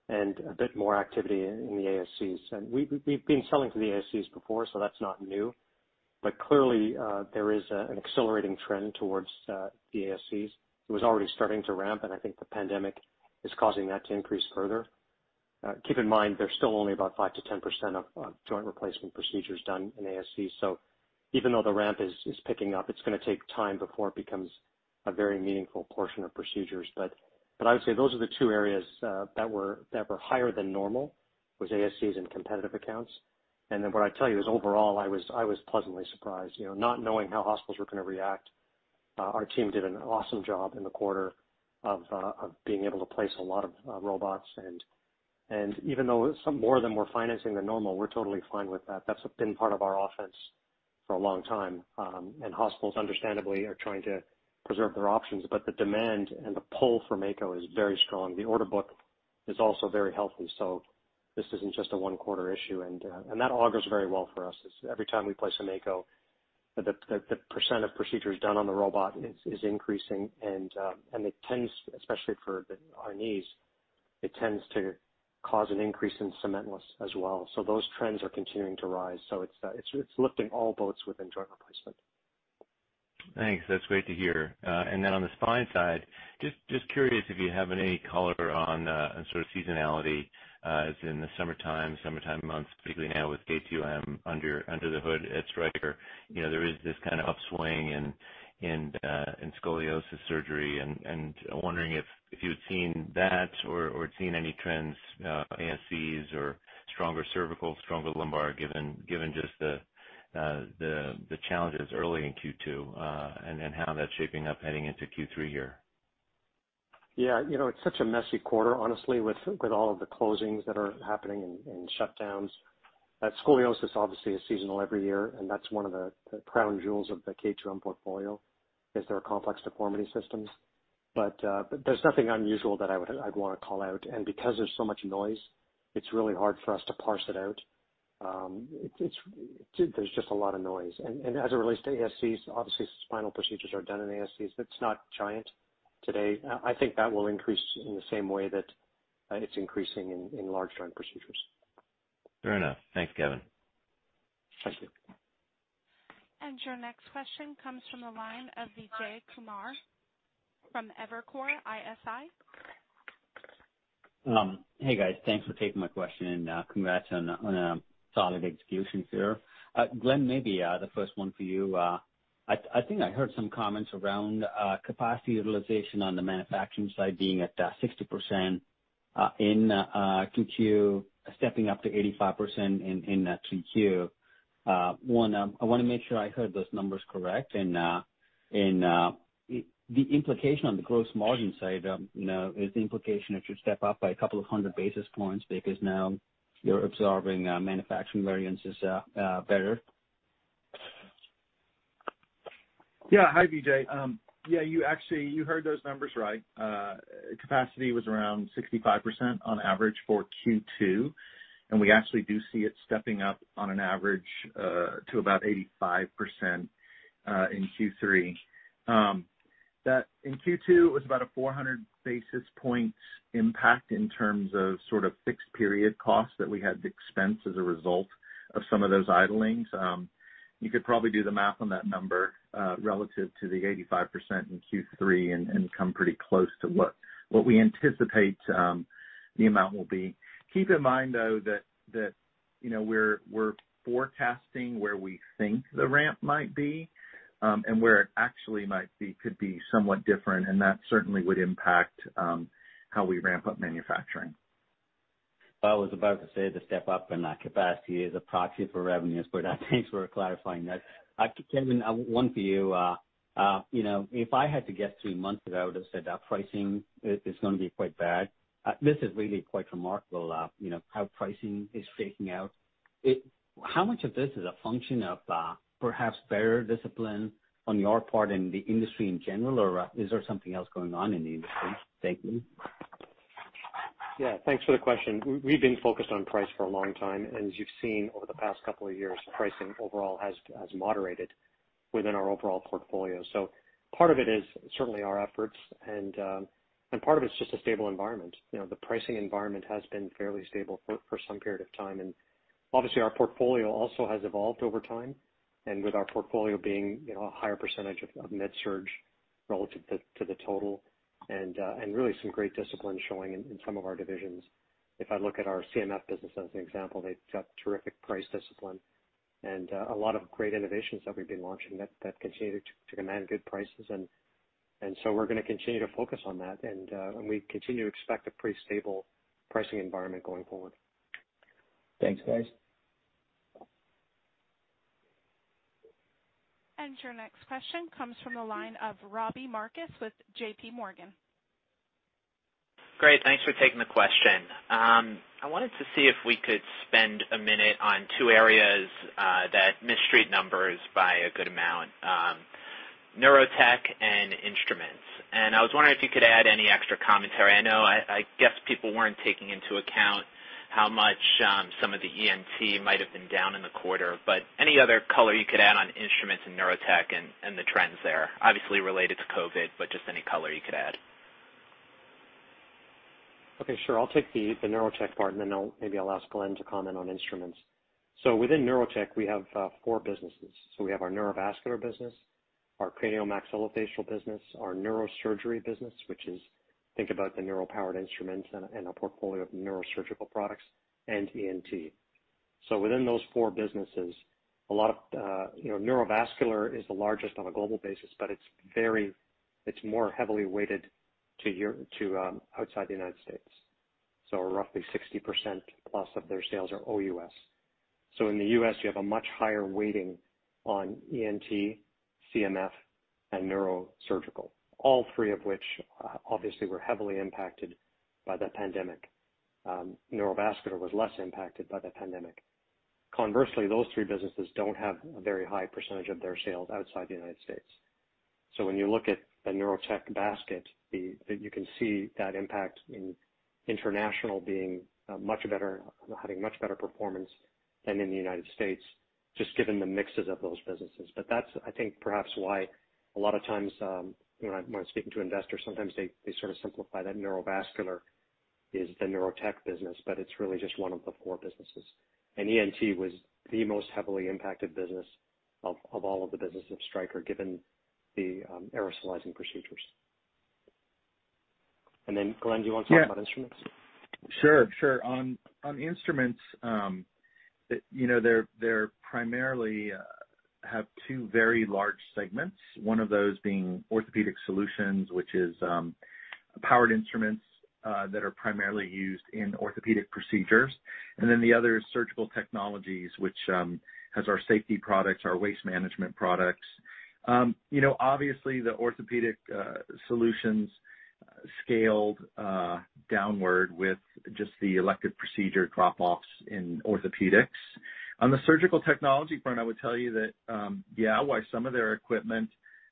and a bit more activity in the ASCs. We've been selling to the ASCs before, so that's not new. Clearly, there is an accelerating trend towards the ASCs. It was already starting to ramp, and I think the pandemic is causing that to increase further. Keep in mind, they're still only about 5%-10% of joint replacement procedures done in ASCs. Even though the ramp is picking up, it's going to take time before it becomes a very meaningful portion of procedures. I would say those are the two areas that were higher than normal, was ASCs and competitive accounts. What I'd tell you is overall, I was pleasantly surprised. Not knowing how hospitals were going to react, our team did an awesome job in the quarter of being able to place a lot of robots. Even though some more of them were financing than normal, we're totally fine with that. That's been part of our offense for a long time. Hospitals, understandably, are trying to preserve their options, but the demand and the pull for Mako is very strong. The order book is also very healthy, so this isn't just a one-quarter issue, and that augurs very well for us. Every time we place a Mako, the % of procedures done on the robot is increasing, and it tends, especially for our knees, it tends to cause an increase in cementless as well. Those trends are continuing to rise. It's lifting all boats within joint replacement.
Thanks. That's great to hear. On the spine side, just curious if you have any color on sort of seasonality, as in the summertime months, particularly now with K2M under the hood at Stryker. There is this kind of upswing in scoliosis surgery and wondering if you've seen that or seen any trends, ASCs or stronger cervical, stronger lumbar, given just the challenges early in Q2, and how that's shaping up heading into Q3 here.
Yeah. It's such a messy quarter, honestly, with all of the closings that are happening and shutdowns. Scoliosis obviously is seasonal every year, That's one of the crown jewels of the K2M portfolio, is their complex deformity systems. There's nothing unusual that I'd want to call out. Because there's so much noise, it's really hard for us to parse it out. There's just a lot of noise. As it relates to ASCs, obviously spinal procedures are done in ASCs. It's not giant today. I think that will increase in the same way that it's increasing in large joint procedures.
Fair enough. Thanks, Kevin.
Thank you.
Your next question comes from the line of Vijay Kumar from Evercore ISI.
Hey, guys. Thanks for taking my question, and congrats on a solid execution here. Glenn, maybe the first one for you. I think I heard some comments around capacity utilization on the manufacturing side being at 60% in 2Q, stepping up to 85% in 3Q. One, I want to make sure I heard those numbers correct, and the implication on the gross margin side. Is the implication it should step up by a couple of hundred basis points because now you're absorbing manufacturing variances better?
Hi, Vijay. You heard those numbers right. Capacity was around 60% on average for Q2, and we actually do see it stepping up on an average to about 85% in Q3. That in Q2 was about a 400 basis points impact in terms of sort of fixed period costs that we had to expense as a result of some of those idlings. You could probably do the math on that number, relative to the 85% in Q3 and come pretty close to what we anticipate the amount will be. Keep in mind, though, that we're forecasting where we think the ramp might be, and where it actually might be could be somewhat different, and that certainly would impact how we ramp up manufacturing.
I was about to say the step-up in that capacity is a proxy for revenues for that. Thanks for clarifying that. Kevin, one for you. If I had to guess three months ago, I would've said that pricing is going to be quite bad. This is really quite remarkable, how pricing is shaking out. How much of this is a function of perhaps better discipline on your part in the industry in general, or is there something else going on in the industry? Thank you.
Yeah. Thanks for the question. We've been focused on price for a long time, and as you've seen over the past couple of years, pricing overall has moderated within our overall portfolio. Part of it is certainly our efforts, and part of it's just a stable environment. The pricing environment has been fairly stable for some period of time. Obviously, our portfolio also has evolved over time, and with our portfolio being a higher percentage of MedSurg relative to the total, and really some great discipline showing in some of our divisions. If I look at our CMF business as an example, they've got terrific price discipline and a lot of great innovations that we've been launching that continue to command good prices. We're going to continue to focus on that. We continue to expect a pretty stable pricing environment going forward.
Thanks, guys.
Your next question comes from the line of Robbie Marcus with JPMorgan.
Great, thanks for taking the question. I wanted to see if we could spend a minute on two areas that missed street numbers by a good amount. Neurotech and instruments. I was wondering if you could add any extra commentary. I know, I guess people weren't taking into account how much some of the ENT might have been down in the quarter, but any other color you could add on instruments and Neurotech and the trends there, obviously related to COVID, but just any color you could add.
Okay, sure. I'll take the Neurotech part. Maybe I'll ask Glenn to comment on instruments. Within Neurotech, we have four businesses. We have our neurovascular business, our Craniomaxillofacial business, our neurosurgery business, which is, think about the neuro powered instruments and a portfolio of neurosurgical products, and ENT. Within those four businesses, neurovascular is the largest on a global basis, but it's more heavily weighted to outside the United States. Roughly 60% plus of their sales are OUS. In the U.S., you have a much higher weighting on ENT, CMF, and neurosurgical. All three of which obviously were heavily impacted by the pandemic. Neurovascular was less impacted by the pandemic. Conversely, those three businesses don't have a very high percentage of their sales outside the United States. When you look at the Neurotech basket, you can see that impact in international being much better, having much better performance than in the U.S., just given the mixes of those businesses. That's, I think, perhaps why a lot of times when I'm speaking to investors, sometimes they sort of simplify that Neurovascular is the Neurotech business, but it's really just one of the four businesses. ENT was the most heavily impacted business of all of the business of Stryker, given the aerosolizing procedures. Glenn, do you want to talk about instruments?
Sure. On instruments, they primarily have two very large segments, one of those being Orthopedic Solutions, which is powered instruments that are primarily used in orthopedic procedures. The other is Surgical Technologies, which has our safety products, our waste management products. Obviously, the Orthopedic Solutions scaled downward with just the elective procedure drop-offs in Orthopedics. On the Surgical Technology front, I would tell you that, yeah, while some of their equipment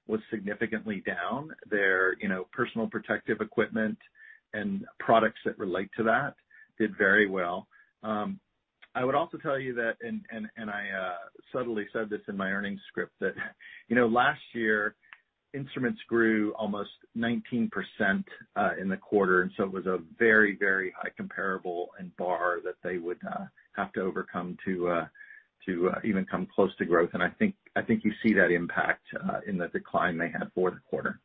was significantly down, their personal protective equipment and products that relate to that did very well. I would also tell you that, and I subtly said this in my earnings script, that last year, instruments grew almost 19% in the quarter, and so it was a very high comparable and bar that they would have to overcome to even come close to growth. I think you see that impact in the decline they had for the quarter.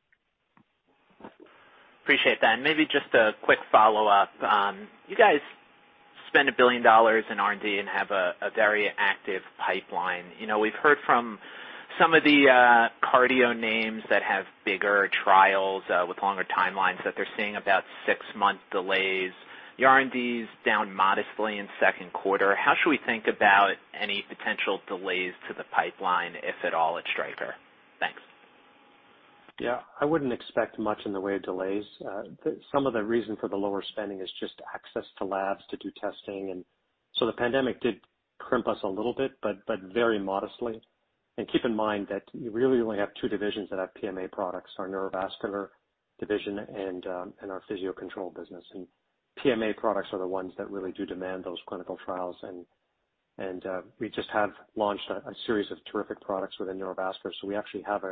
Appreciate that. Maybe just a quick follow-up. You guys spend $1 billion in R&D and have a very active pipeline. We've heard from some of the cardio names that have bigger trials with longer timelines that they're seeing about 6-month delays. Your R&D's down modestly in 2Q. How should we think about any potential delays to the pipeline, if at all, at Stryker? Thanks.
Yeah. I wouldn't expect much in the way of delays. Some of the reason for the lower spending is just access to labs to do testing. The pandemic did crimp us a little bit, but very modestly. Keep in mind that you really only have two divisions that have PMA products, our neurovascular division and our Physio-Control business. PMA products are the ones that really do demand those clinical trials, and we just have launched a series of terrific products within neurovascular. We actually have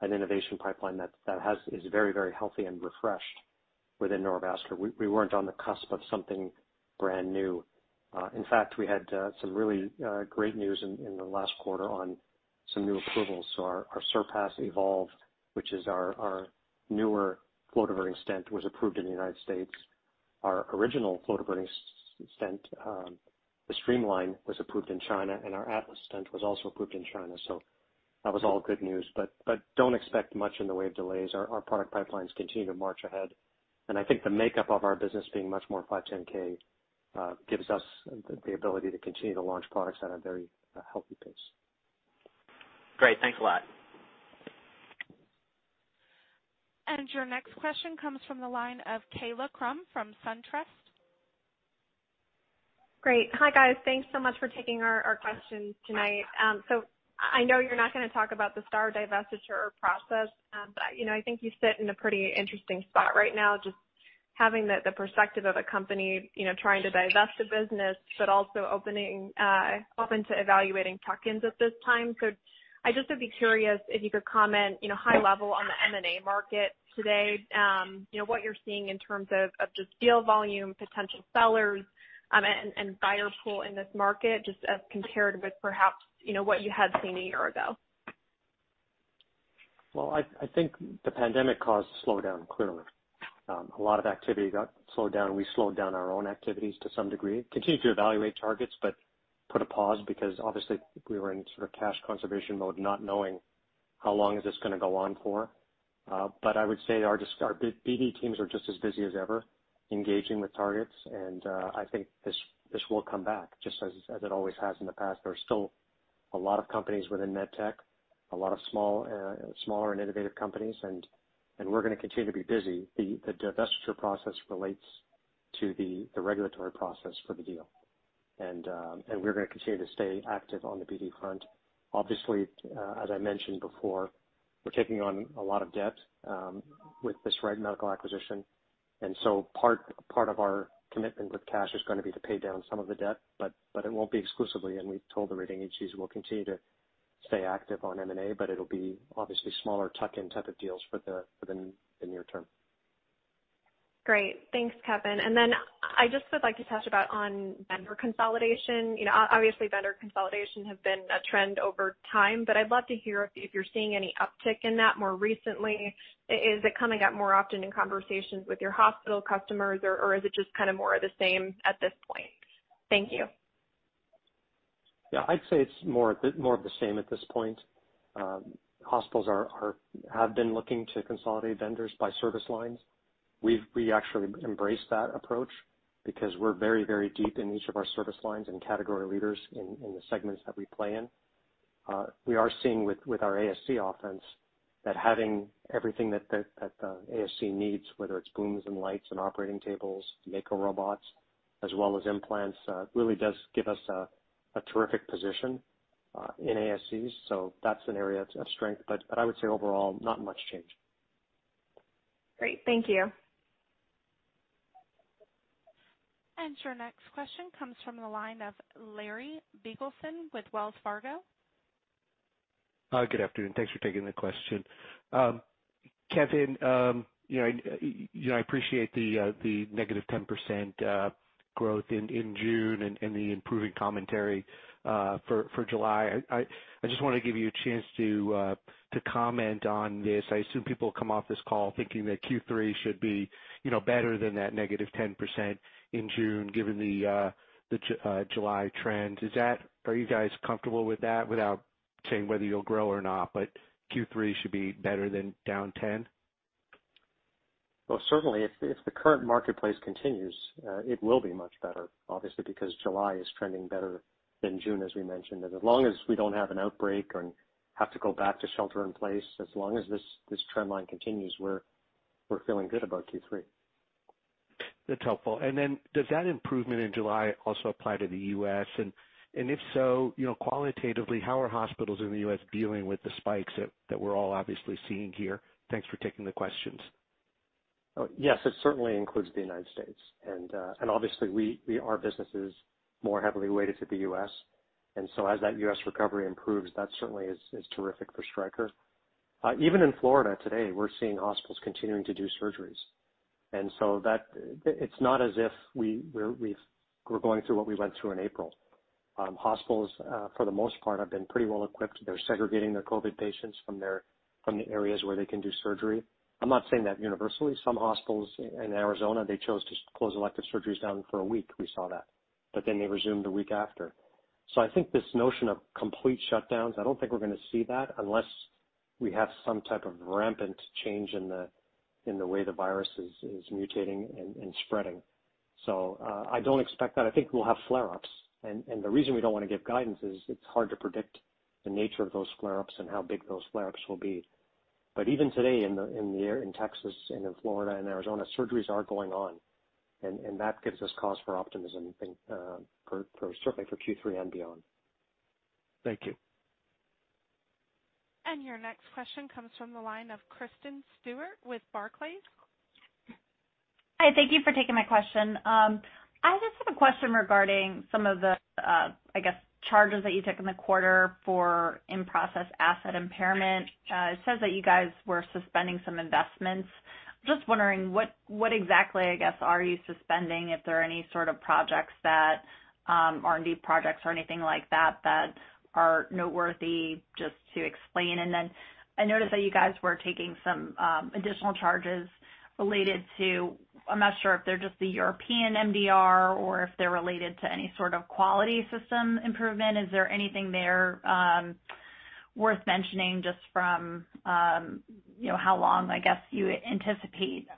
an innovation pipeline that is very healthy and refreshed within neurovascular. We weren't on the cusp of something brand new. In fact, we had some really great news in the last quarter on some new approvals. Our Surpass Evolve, which is our newer flow diverting stent, was approved in the United States. Our original flow diverting stent, the Streamline, was approved in China, and our Atlas stent was also approved in China. That was all good news, but don't expect much in the way of delays. Our product pipelines continue to march ahead, and I think the makeup of our business being much more 510(k) gives us the ability to continue to launch products at a very healthy pace.
Great. Thanks a lot.
Your next question comes from the line of Kaila Krum from SunTrust.
Great. Hi, guys. Thanks so much for taking our questions tonight. I know you're not going to talk about the STAR divestiture process, but I think you sit in a pretty interesting spot right now, just having the perspective of a company trying to divest a business, but also open to evaluating tuck-ins at this time. I just would be curious if you could comment, high level, on the M&A market today. What you're seeing in terms of just deal volume, potential sellers, and buyer pool in this market, just as compared with perhaps, what you had seen a year ago.
Well, I think the pandemic caused a slowdown, clearly. A lot of activity got slowed down, and we slowed down our own activities to some degree. Continued to evaluate targets, but put a pause because obviously we were in sort of cash conservation mode, not knowing how long is this going to go on for. I would say our BD teams are just as busy as ever engaging with targets, and I think this will come back just as it always has in the past. There are still a lot of companies within med tech, a lot of smaller and innovative companies, and we're going to continue to be busy. The divestiture process relates to the regulatory process for the deal. We're going to continue to stay active on the BD front. Obviously, as I mentioned before, we're taking on a lot of debt with this Wright Medical acquisition. Part of our commitment with cash is going to be to pay down some of the debt, but it won't be exclusively, and we've told the rating agencies we'll continue to stay active on M&A, but it'll be obviously smaller tuck-in type of deals for the near term.
Great. Thanks, Kevin. I just would like to touch about on vendor consolidation. Obviously, vendor consolidation have been a trend over time, but I'd love to hear if you're seeing any uptick in that more recently. Is it coming up more often in conversations with your hospital customers, or is it just kind of more of the same at this point? Thank you.
Yeah, I'd say it's more of the same at this point. Hospitals have been looking to consolidate vendors by service lines. We actually embrace that approach because we're very, very deep in each of our service lines and category leaders in the segments that we play in. We are seeing with our ASC offense that having everything that the ASC needs, whether it's booms and lights and operating tables, Mako robots, as well as implants really does give us a terrific position in ASCs. That's an area of strength. I would say overall, not much change.
Great. Thank you.
Your next question comes from the line of Larry Biegelsen with Wells Fargo.
Good afternoon. Thanks for taking the question. Kevin, I appreciate the -10% growth in June and the improving commentary for July. I just want to give you a chance to comment on this. I assume people will come off this call thinking that Q3 should be better than that -10% in June, given the July trend. Are you guys comfortable with that without saying whether you'll grow or not, but Q3 should be better than down 10%?
Well, certainly if the current marketplace continues, it will be much better, obviously, because July is trending better than June, as we mentioned. As long as we don't have an outbreak and have to go back to shelter in place, as long as this trend line continues, we're feeling good about Q3.
That's helpful. Does that improvement in July also apply to the U.S.? If so, qualitatively, how are hospitals in the U.S`. dealing with the spikes that we're all obviously seeing here? Thanks for taking the questions.
Yes, it certainly includes the United States. Obviously our business is more heavily weighted to the U.S., and so as that U.S. recovery improves, that certainly is terrific for Stryker. Even in Florida today, we're seeing hospitals continuing to do surgeries, and so it's not as if we're going through what we went through in April. Hospitals, for the most part, have been pretty well equipped. They're segregating their COVID patients from the areas where they can do surgery. I'm not saying that universally. Some hospitals in Arizona, they chose to close elective surgeries down for a week, we saw that, but then they resumed the week after. I think this notion of complete shutdowns, I don't think we're going to see that unless we have some type of rampant change in the way the virus is mutating and spreading. I don't expect that. I think we'll have flare-ups, and the reason we don't want to give guidance is it's hard to predict the nature of those flare-ups and how big those flare-ups will be. Even today in Texas and in Florida and Arizona, surgeries are going on, and that gives us cause for optimism, certainly for Q3 and beyond.
Thank you.
Your next question comes from the line of Kristen Stewart with Barclays.
Hi, thank you for taking my question. I just have a question regarding some of the charges that you took in the quarter for in-process asset impairment. It says that you guys were suspending some investments. Just wondering what exactly are you suspending? If there are any sort of R&D projects or anything like that are noteworthy just to explain. I noticed that you guys were taking some additional charges related to, I'm not sure if they're just the European MDR or if they're related to any sort of quality system improvement. Is there anything there worth mentioning just from how long you anticipate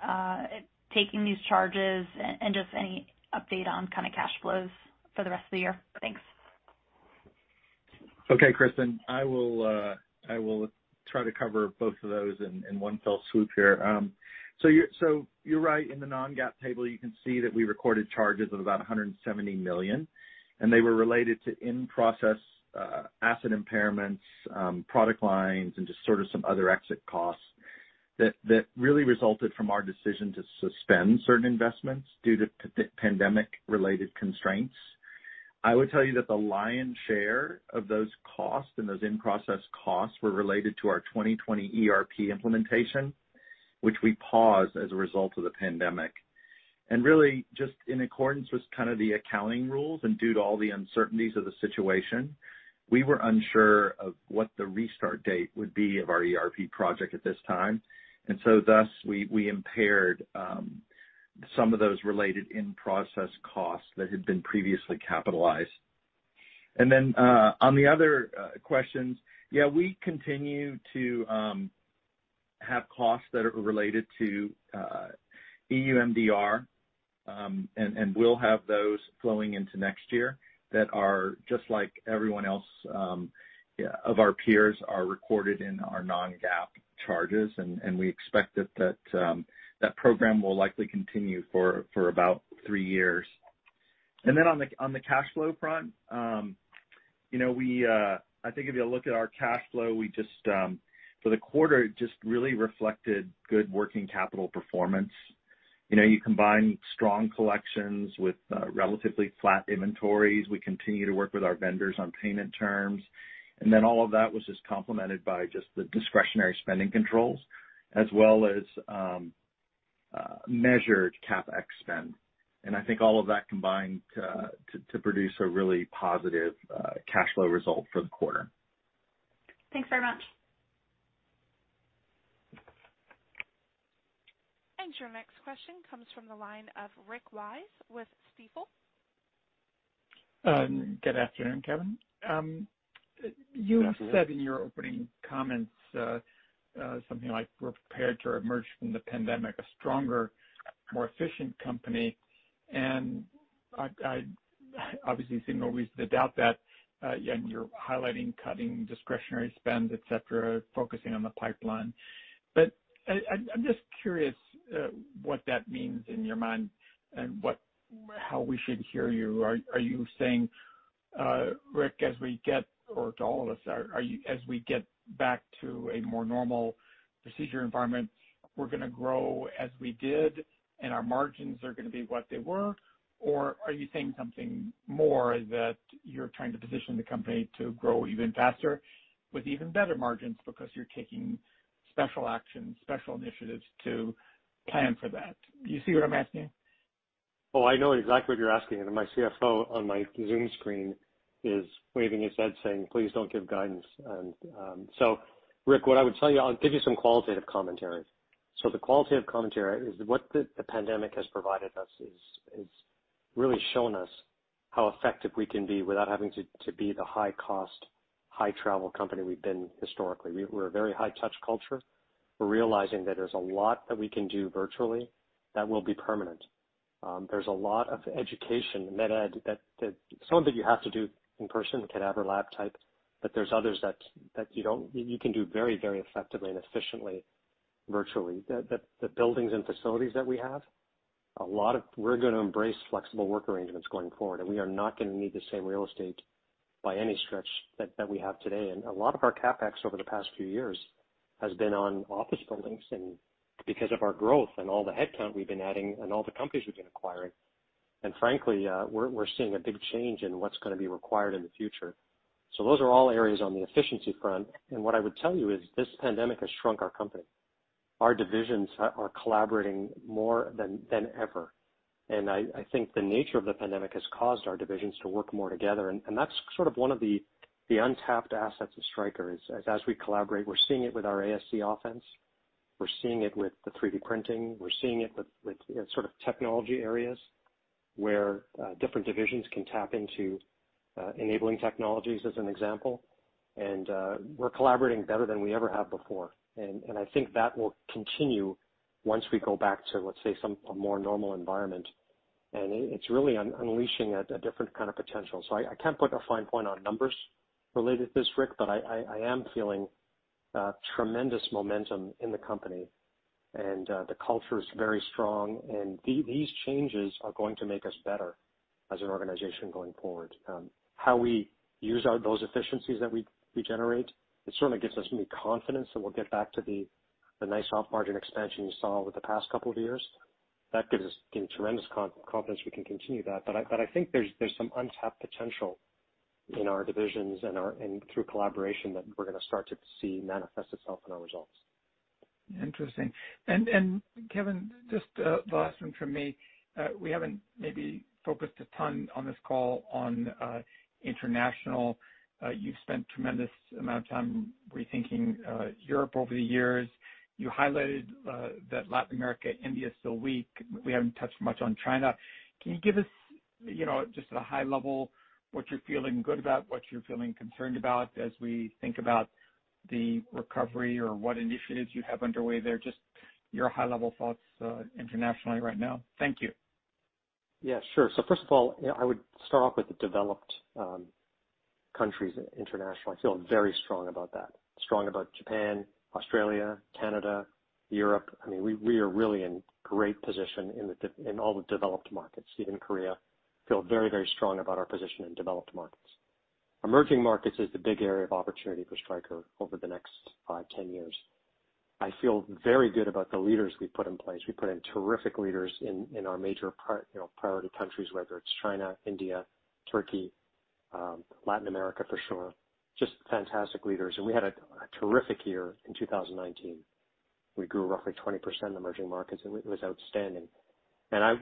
taking these charges, and just any update on cash flows for the rest of the year? Thanks.
Okay, Kristen, I will try to cover both of those in one fell swoop here. You're right. In the non-GAAP table, you can see that we recorded charges of about $170 million, and they were related to in-process asset impairments, product lines, and just sort of some other exit costs that really resulted from our decision to suspend certain investments due to pandemic-related constraints. I would tell you that the lion's share of those costs and those in-process costs were related to our 2020 ERP implementation, which we paused as a result of the pandemic. Really just in accordance with kind of the accounting rules and due to all the uncertainties of the situation, we were unsure of what the restart date would be of our ERP project at this time, and so thus we impaired some of those related in-process costs that had been previously capitalized. Then on the other questions, we continue to have costs that are related to EU MDR, and we'll have those flowing into next year that are just like everyone else of our peers are recorded in our non-GAAP charges. We expect that program will likely continue for about three years. On the cash flow front, I think if you look at our cash flow, for the quarter, it just really reflected good working capital performance. You combine strong collections with relatively flat inventories. We continue to work with our vendors on payment terms. All of that was just complemented by just the discretionary spending controls as well as measured CapEx spend. I think all of that combined to produce a really positive cash flow result for the quarter.
Thanks very much.
Your next question comes from the line of Rick Wise with Stifel.
Good afternoon, Kevin. You said in your opening comments something like we're prepared to emerge from the pandemic a stronger, more efficient company. I obviously see no reason to doubt that. You're highlighting cutting discretionary spends, et cetera, focusing on the pipeline. I'm just curious what that means in your mind and how we should hear you. Are you saying, Rick, as we get, or to all of us, as we get back to a more normal procedure environment, we're going to grow as we did, and our margins are going to be what they were? Are you saying something more that you're trying to position the company to grow even faster with even better margins because you're taking special actions, special initiatives to plan for that? Do you see what I'm asking?
Oh, I know exactly what you're asking. My CFO on my Zoom screen is waving his head saying, "Please don't give guidance." Rick, what I would tell you, I'll give you some qualitative commentary. The qualitative commentary is that the pandemic has provided us is it's really shown us how effective we can be without having to be the high-cost, high-travel company we've been historically. We're a very high-touch culture. We're realizing that there's a lot that we can do virtually that will be permanent. There's a lot of education in med ed that some of it you have to do in person, the cadaver lab type. There's others that you can do very effectively and efficiently virtually. The buildings and facilities that we have, we're going to embrace flexible work arrangements going forward, and we are not going to need the same real estate, by any stretch, that we have today. A lot of our CapEx over the past few years has been on office buildings and because of our growth and all the headcount we've been adding and all the companies we've been acquiring. Frankly, we're seeing a big change in what's going to be required in the future. Those are all areas on the efficiency front. What I would tell you is this pandemic has shrunk our company. Our divisions are collaborating more than ever. I think the nature of the pandemic has caused our divisions to work more together, and that's sort of one of the untapped assets of Stryker is as we collaborate, we're seeing it with our ASC offense. We're seeing it with the 3D printing. We're seeing it with sort of technology areas where different divisions can tap into enabling technologies, as an example. We're collaborating better than we ever have before. I think that will continue once we go back to, let's say, a more normal environment. It's really unleashing a different kind of potential. I can't put a fine point on numbers related to this, Rick, but I am feeling tremendous momentum in the company, and the culture is very strong, and these changes are going to make us better as an organization going forward. How we use those efficiencies that we generate, it certainly gives us new confidence that we'll get back to the nice op margin expansion you saw over the past couple of years. That gives us tremendous confidence we can continue that. I think there's some untapped potential in our divisions and through collaboration that we're going to start to see manifest itself in our results.
Interesting. Kevin, just the last one from me. We haven't maybe focused a ton on this call on international. You've spent a tremendous amount of time rethinking Europe over the years. You highlighted that Latin America, India's still weak. We haven't touched much on China. Can you give us just at a high level what you're feeling good about, what you're feeling concerned about as we think about the recovery or what initiatives you have underway there? Just your high-level thoughts internationally right now. Thank you.
Yeah, sure. First of all, I would start off with the developed countries internationally. I feel very strong about that. Strong about Japan, Australia, Canada, Europe. I mean, we are really in great position in all the developed markets, even Korea. Feel very strong about our position in developed markets. Emerging markets is the big area of opportunity for Stryker over the next five, 10 years. I feel very good about the leaders we've put in place. We put in terrific leaders in our major priority countries, whether it's China, India, Turkey, Latin America for sure, just fantastic leaders. We had a terrific year in 2019. We grew roughly 20% in emerging markets, and it was outstanding.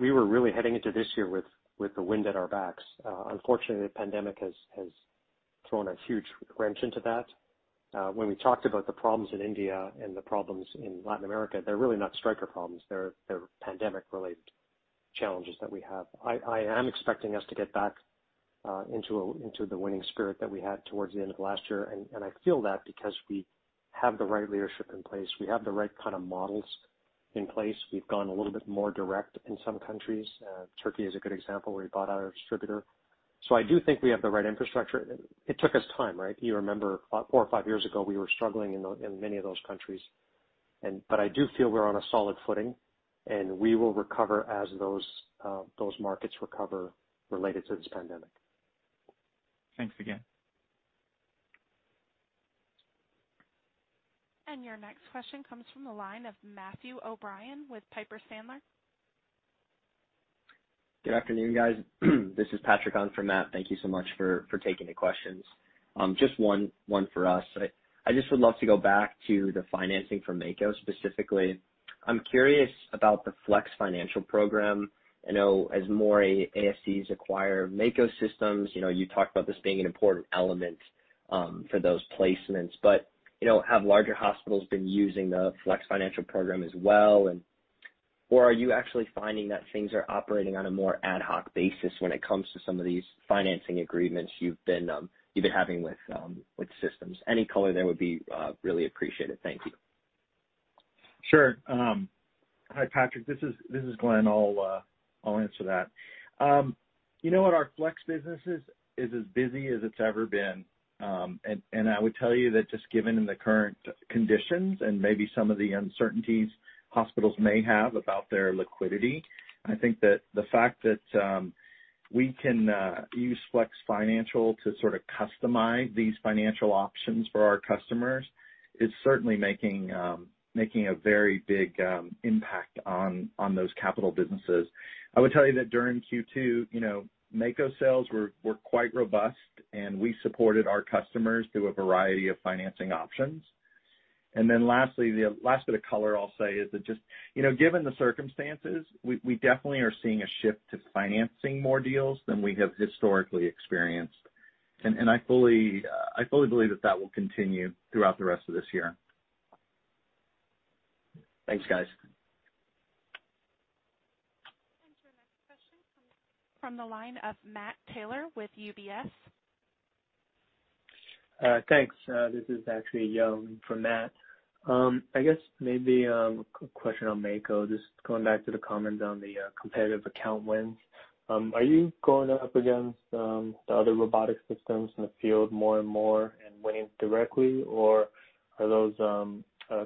We were really heading into this year with the wind at our backs. Unfortunately, the pandemic has thrown a huge wrench into that. When we talked about the problems in India and the problems in Latin America, they're really not Stryker problems. They're pandemic-related challenges that we have. I am expecting us to get back into the winning spirit that we had towards the end of last year, and I feel that because we have the right leadership in place. We have the right kind of models in place. We've gone a little bit more direct in some countries. Turkey is a good example where we bought out a distributor. I do think we have the right infrastructure. It took us time, right? You remember four or five years ago, we were struggling in many of those countries. I do feel we're on a solid footing, and we will recover as those markets recover related to this pandemic.
Thanks again.
Your next question comes from the line of Matthew O'Brien with Piper Sandler.
Good afternoon, guys. This is Patrick on for Matt. Thank you so much for taking the questions. Just one for us. I just would love to go back to the financing for Mako specifically. I'm curious about the Flex Financial program. I know as more ASCs acquire Mako Systems, you talked about this being an important element for those placements. Have larger hospitals been using the Flex Financial program as well? Are you actually finding that things are operating on a more ad hoc basis when it comes to some of these financing agreements you've been having with systems? Any color there would be really appreciated. Thank you.
Sure. Hi, Patrick. This is Glenn. I'll answer that. You know what? Our Flex businesses is as busy as it's ever been. I would tell you that just given the current conditions and maybe some of the uncertainties hospitals may have about their liquidity, I think that the fact that we can use Flex Financial to sort of customize these financial options for our customers is certainly making a very big impact on those capital businesses. I would tell you that during Q2, Mako sales were quite robust, and we supported our customers through a variety of financing options. Then lastly, the last bit of color I'll say is that just given the circumstances, we definitely are seeing a shift to financing more deals than we have historically experienced. I fully believe that that will continue throughout the rest of this year.
Thanks, guys.
Your next question comes from the line of Matt Taylor with UBS.
Thanks. This is actually Young for Matt. I guess maybe a quick question on Mako, just going back to the comment on the competitive account wins. Are you going up against the other robotic systems in the field more and more and winning directly, or are those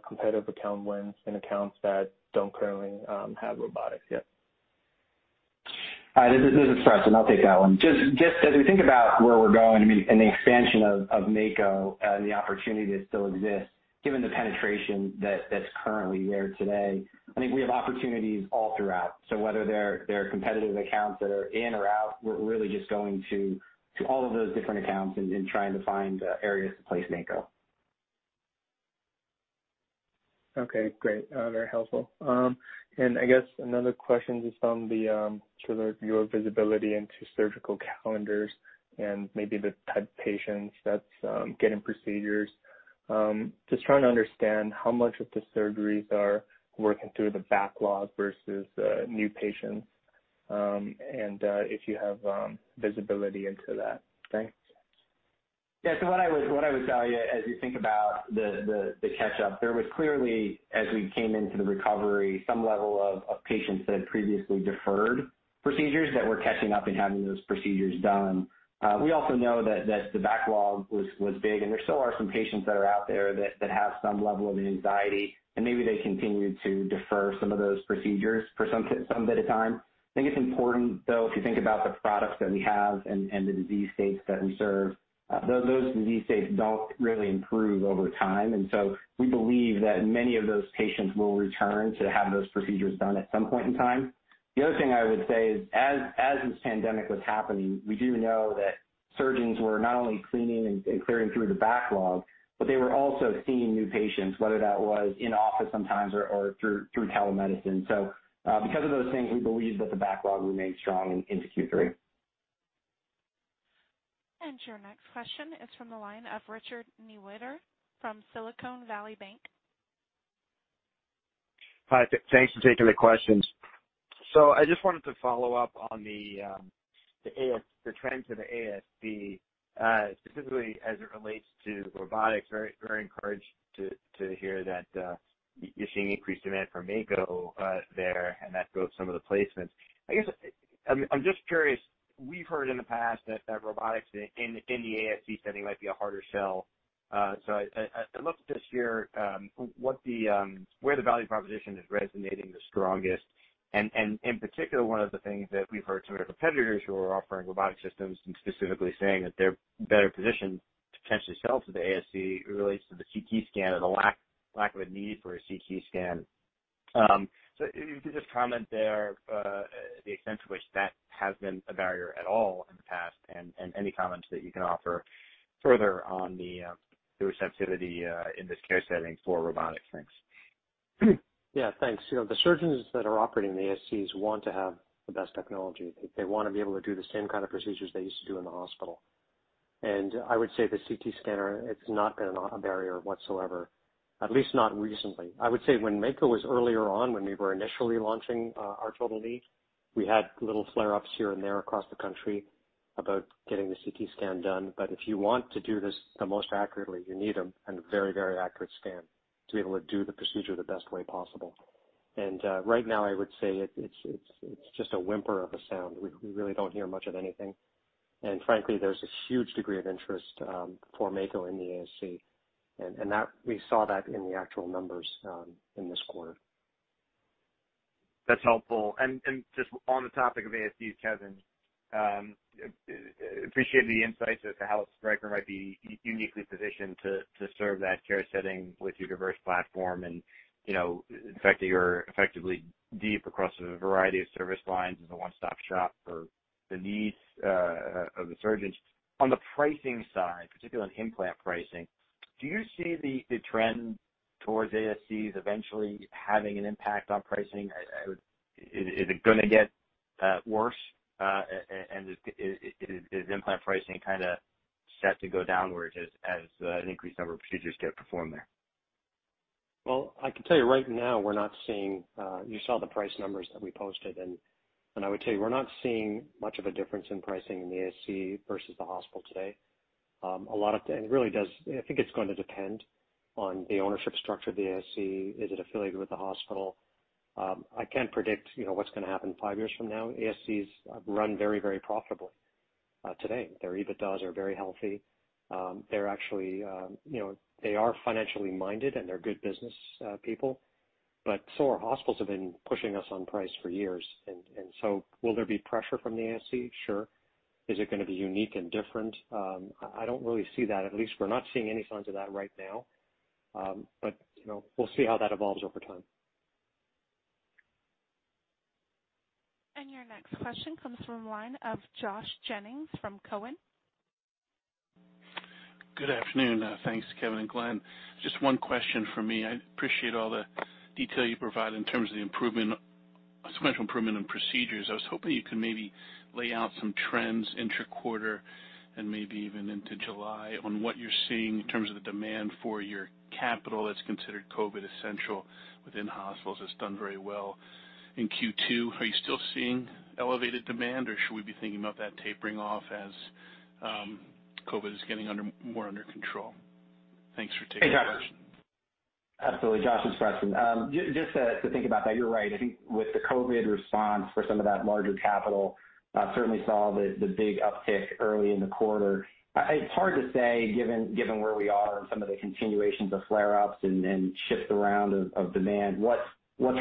competitive account wins in accounts that don't currently have robotics yet?
Hi, this is Preston. I'll take that one. Just as we think about where we're going and the expansion of Mako and the opportunity that still exists, given the penetration that's currently there today, I think we have opportunities all throughout. Whether they're competitive accounts that are in or out, we're really just going to all of those different accounts and trying to find areas to place Mako.
Okay, great. Very helpful. I guess another question is on the sort of your visibility into surgical calendars and maybe the type of patients that's getting procedures. Just trying to understand how much of the surgeries are working through the backlog versus new patients, and if you have visibility into that. Thanks.
Yeah. What I would tell you as you think about the catch-up, there was clearly, as we came into the recovery, some level of patients that had previously deferred procedures that were catching up and having those procedures done. We also know that the backlog was big, and there still are some patients that are out there that have some level of anxiety, and maybe they continue to defer some of those procedures for some bit of time. I think it's important, though, if you think about the products that we have and the disease states that we serve, those disease states don't really improve over time. We believe that many of those patients will return to have those procedures done at some point in time. The other thing I would say is, as this pandemic was happening, we do know that surgeons were not only cleaning and clearing through the backlog, but they were also seeing new patients, whether that was in office sometimes or through telemedicine. Because of those things, we believe that the backlog remains strong into Q3.
Your next question is from the line of Richard Newitter from Silicon Valley Bank.
Hi, thanks for taking the questions. I just wanted to follow up on the trends in the ASC, specifically as it relates to robotics. Very encouraged to hear that you're seeing increased demand for Mako there, and that drove some of the placements. I guess, I'm just curious, we've heard in the past that robotics in the ASC setting might be a harder sell. I'd love to just hear where the value proposition is resonating the strongest. In particular, one of the things that we've heard some of the competitors who are offering robotic systems and specifically saying that they're better positioned to potentially sell to the ASC relates to the CT scan or the lack of a need for a CT scan. If you could just comment there, the extent to which that has been a barrier at all in the past, and any comments that you can offer further on the receptivity in this care setting for robotics. Thanks.
Thanks. The surgeons that are operating in the ASCs want to have the best technology. They want to be able to do the same kind of procedures they used to do in the hospital. I would say the CT scanner, it's not been a barrier whatsoever, at least not recently. I would say when Mako was earlier on, when we were initially launching our total knee, we had little flare-ups here and there across the country about getting the CT scan done. If you want to do this the most accurately, you need a very accurate scan to be able to do the procedure the best way possible. Right now, I would say it's just a whimper of a sound. We really don't hear much of anything. Frankly, there's a huge degree of interest for Mako in the ASC, and we saw that in the actual numbers in this quarter.
That's helpful. Just on the topic of ASCs, Kevin, appreciate the insights as to how Stryker might be uniquely positioned to serve that care setting with your diverse platform and the fact that you're effectively deep across a variety of service lines as a one-stop shop for the needs of the surgeons. On the pricing side, particularly on implant pricing, do you see the trend towards ASCs eventually having an impact on pricing? Is it going to get worse? Is implant pricing kind of set to go downwards as an increased number of procedures get performed there?
Well, I can tell you right now, you saw the price numbers that we posted. I would tell you, we're not seeing much of a difference in pricing in the ASC versus the hospital today. I think it's going to depend on the ownership structure of the ASC. Is it affiliated with the hospital? I can't predict what's going to happen five years from now. ASCs run very profitably today. Their EBITDAs are very healthy. They are financially minded, and they're good business people, but so are hospitals that have been pushing us on price for years. Will there be pressure from the ASC? Sure. Is it going to be unique and different? I don't really see that. At least we're not seeing any signs of that right now. We'll see how that evolves over time.
Your next question comes from the line of Josh Jennings from Cowen.
Good afternoon. Thanks, Kevin and Glenn. Just one question from me. I appreciate all the detail you provided in terms of the substantial improvement in procedures. I was hoping you could maybe lay out some trends intra-quarter and maybe even into July on what you're seeing in terms of the demand for your capital that's considered COVID essential within hospitals. It's done very well in Q2. Are you still seeing elevated demand, or should we be thinking about that tapering off as COVID is getting more under control? Thanks for taking the question.
Absolutely. Josh, it's Preston. Just to think about that, you're right. I think with the COVID response for some of that larger capital, certainly saw the big uptick early in the quarter. It's hard to say, given where we are and some of the continuations of flare-ups and shifts around of demand, what's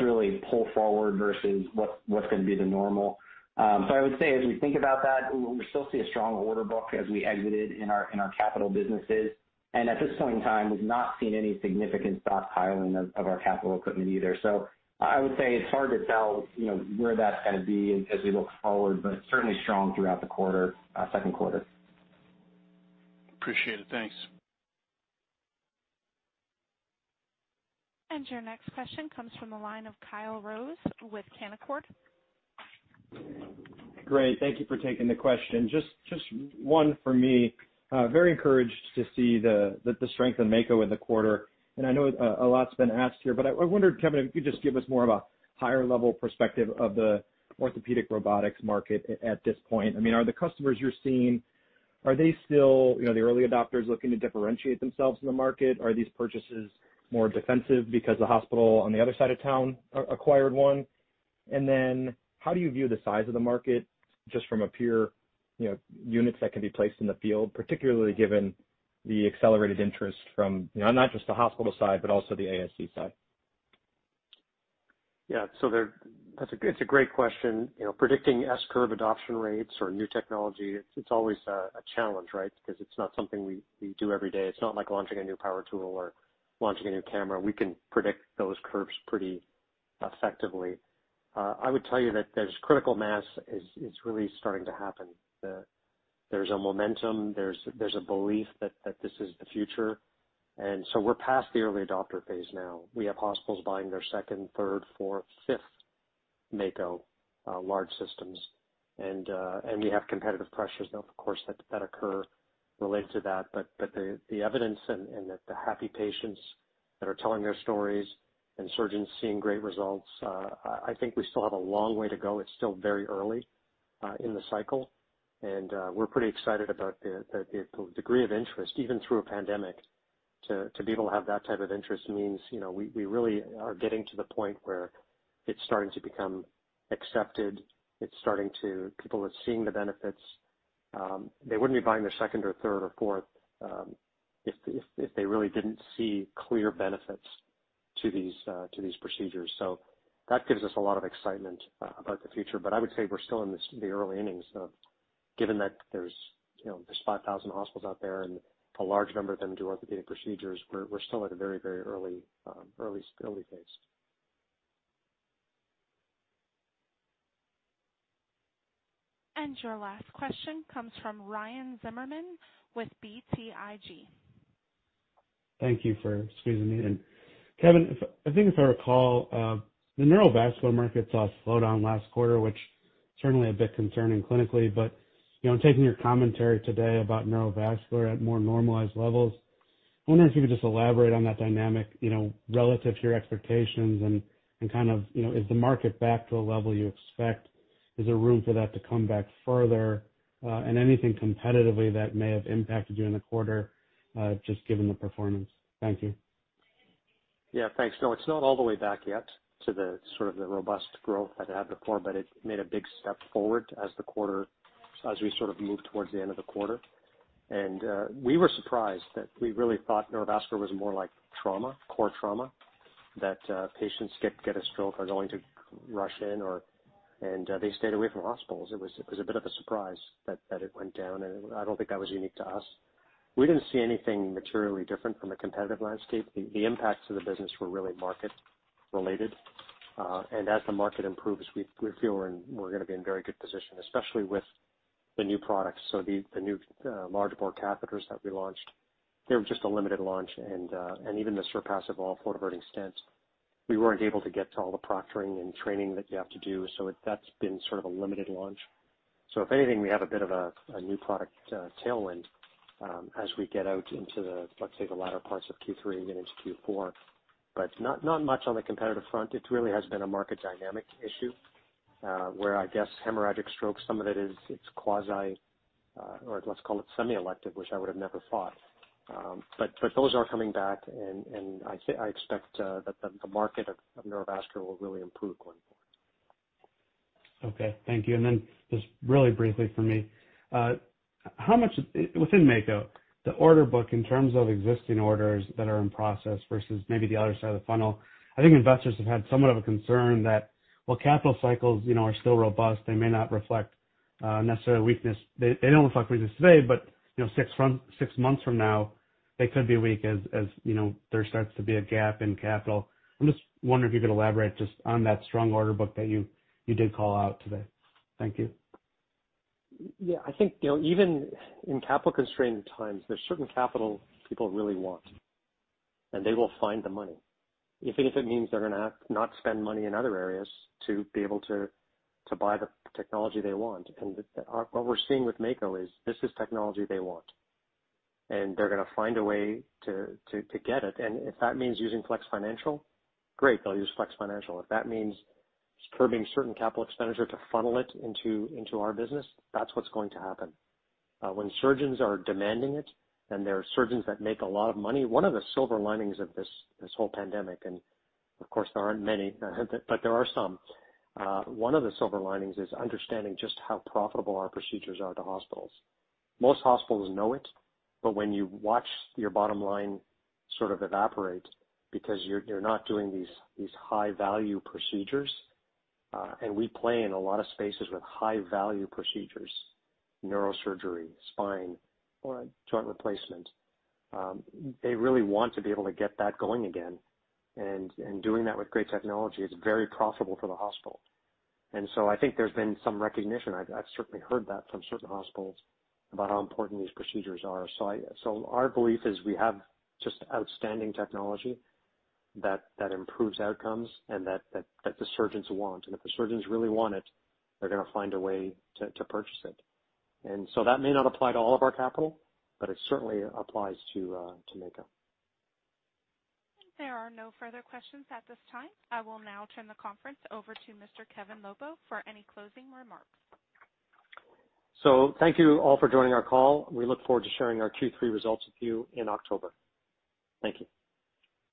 really pull forward versus what's going to be the normal. I would say, as we think about that, we still see a strong order book as we exited in our capital businesses. At this point in time, we've not seen any significant stockpiling of our capital equipment either. I would say it's hard to tell where that's going to be as we look forward, but certainly strong throughout the second quarter.
Appreciate it. Thanks.
Your next question comes from the line of Kyle Rose with Canaccord.
Great. Thank you for taking the question. Just one for me. Very encouraged to see the strength in Mako in the quarter, and I know a lot's been asked here, but I wondered, Kevin, if you could just give us more of a higher-level perspective of the Orthopedics robotics market at this point. Are the customers you're seeing, are they still the early adopters looking to differentiate themselves in the market? Are these purchases more defensive because the hospital on the other side of town acquired one? How do you view the size of the market, just from a pure units that can be placed in the field, particularly given the accelerated interest from not just the hospital side, but also the ASC side?
Yeah. It's a great question. Predicting S-curve adoption rates or new technology, it's always a challenge, right? It's not something we do every day. It's not like launching a new power tool or launching a new camera. We can predict those curves pretty effectively. I would tell you that there's critical mass is really starting to happen. There's a momentum. There's a belief that this is the future, we're past the early adopter phase now. We have hospitals buying their 2nd, 3rd, 4th, 5th Mako large systems, we have competitive pressures, of course, that occur related to that. The evidence and the happy patients that are telling their stories and surgeons seeing great results, I think we still have a long way to go. It's still very early in the cycle, we're pretty excited about the degree of interest, even through a pandemic. To be able to have that type of interest means we really are getting to the point where it's starting to become accepted. People are seeing the benefits. They wouldn't be buying their 2nd or 3rd or 4th if they really didn't see clear benefits to these procedures. That gives us a lot of excitement about the future. I would say we're still in the early innings of given that there's 5,000 hospitals out there and a large number of them do orthopedic procedures. We're still at a very early phase.
Your last question comes from Ryan Zimmerman with BTIG.
Thank you for squeezing me in. Kevin, I think if I recall, the neurovascular market saw a slowdown last quarter, which certainly a bit concerning clinically. Taking your commentary today about neurovascular at more normalized levels, I wonder if you could just elaborate on that dynamic, relative to your expectations and kind of is the market back to a level you expect? Is there room for that to come back further? Anything competitively that may have impacted you in the quarter, just given the performance? Thank you.
Yeah, thanks. No, it's not all the way back yet to the sort of the robust growth that it had before, but it made a big step forward as we sort of moved towards the end of the quarter. We were surprised that we really thought Neurovascular was more like trauma, core trauma, that patients get a stroke are going to rush in or they stayed away from hospitals. It was a bit of a surprise that it went down, and I don't think that was unique to us. We didn't see anything materially different from a competitive landscape. The impacts of the business were really market related. As the market improves, we feel we're going to be in very good position, especially with the new products. The new large bore catheters that we launched, they were just a limited launch and even the Surpass Evolve for flow diverting stents. We weren't able to get to all the proctoring and training that you have to do, so that's been sort of a limited launch. If anything, we have a bit of a new product tailwind as we get out into the, let's say, the latter parts of Q3 and even into Q4. Not much on the competitive front. It really has been a market dynamic issue, where I guess hemorrhagic stroke, some of it is it's quasi or let's call it semi-elective, which I would have never thought. Those are coming back, and I expect that the market of Neurovascular will really improve going forward.
Okay. Thank you. Just really briefly for me. Within Mako, the order book in terms of existing orders that are in process versus maybe the other side of the funnel, I think investors have had somewhat of a concern that, while capital cycles are still robust, they may not reflect necessarily weakness. They don't reflect weakness today, but six months from now, they could be weak as there starts to be a gap in capital. I'm just wondering if you could elaborate just on that strong order book that you did call out today. Thank you.
Yeah, I think even in capital constrained times, there's certain capital people really want, and they will find the money, even if it means they're going to not spend money in other areas to be able to buy the technology they want. What we're seeing with Mako is this is technology they want, and they're going to find a way to get it. If that means using Flex Financial, great, they'll use Flex Financial. If that means curbing certain capital expenditure to funnel it into our business, that's what's going to happen. When surgeons are demanding it, and there are surgeons that make a lot of money. One of the silver linings of this whole pandemic, and of course, there aren't many but there are some. One of the silver linings is understanding just how profitable our procedures are to hospitals. Most hospitals know it, but when you watch your bottom line sort of evaporate because you're not doing these high-value procedures, and we play in a lot of spaces with high-value procedures, neurosurgery, spine or joint replacement. They really want to be able to get that going again. Doing that with great technology is very profitable for the hospital. I think there's been some recognition. I've certainly heard that from certain hospitals about how important these procedures are. Our belief is we have just outstanding technology that improves outcomes and that the surgeons want. If the surgeons really want it, they're going to find a way to purchase it. That may not apply to all of our capital, but it certainly applies to Mako.
There are no further questions at this time. I will now turn the conference over to Mr. Kevin Lobo for any closing remarks.
Thank you all for joining our call. We look forward to sharing our Q3 results with you in October. Thank you.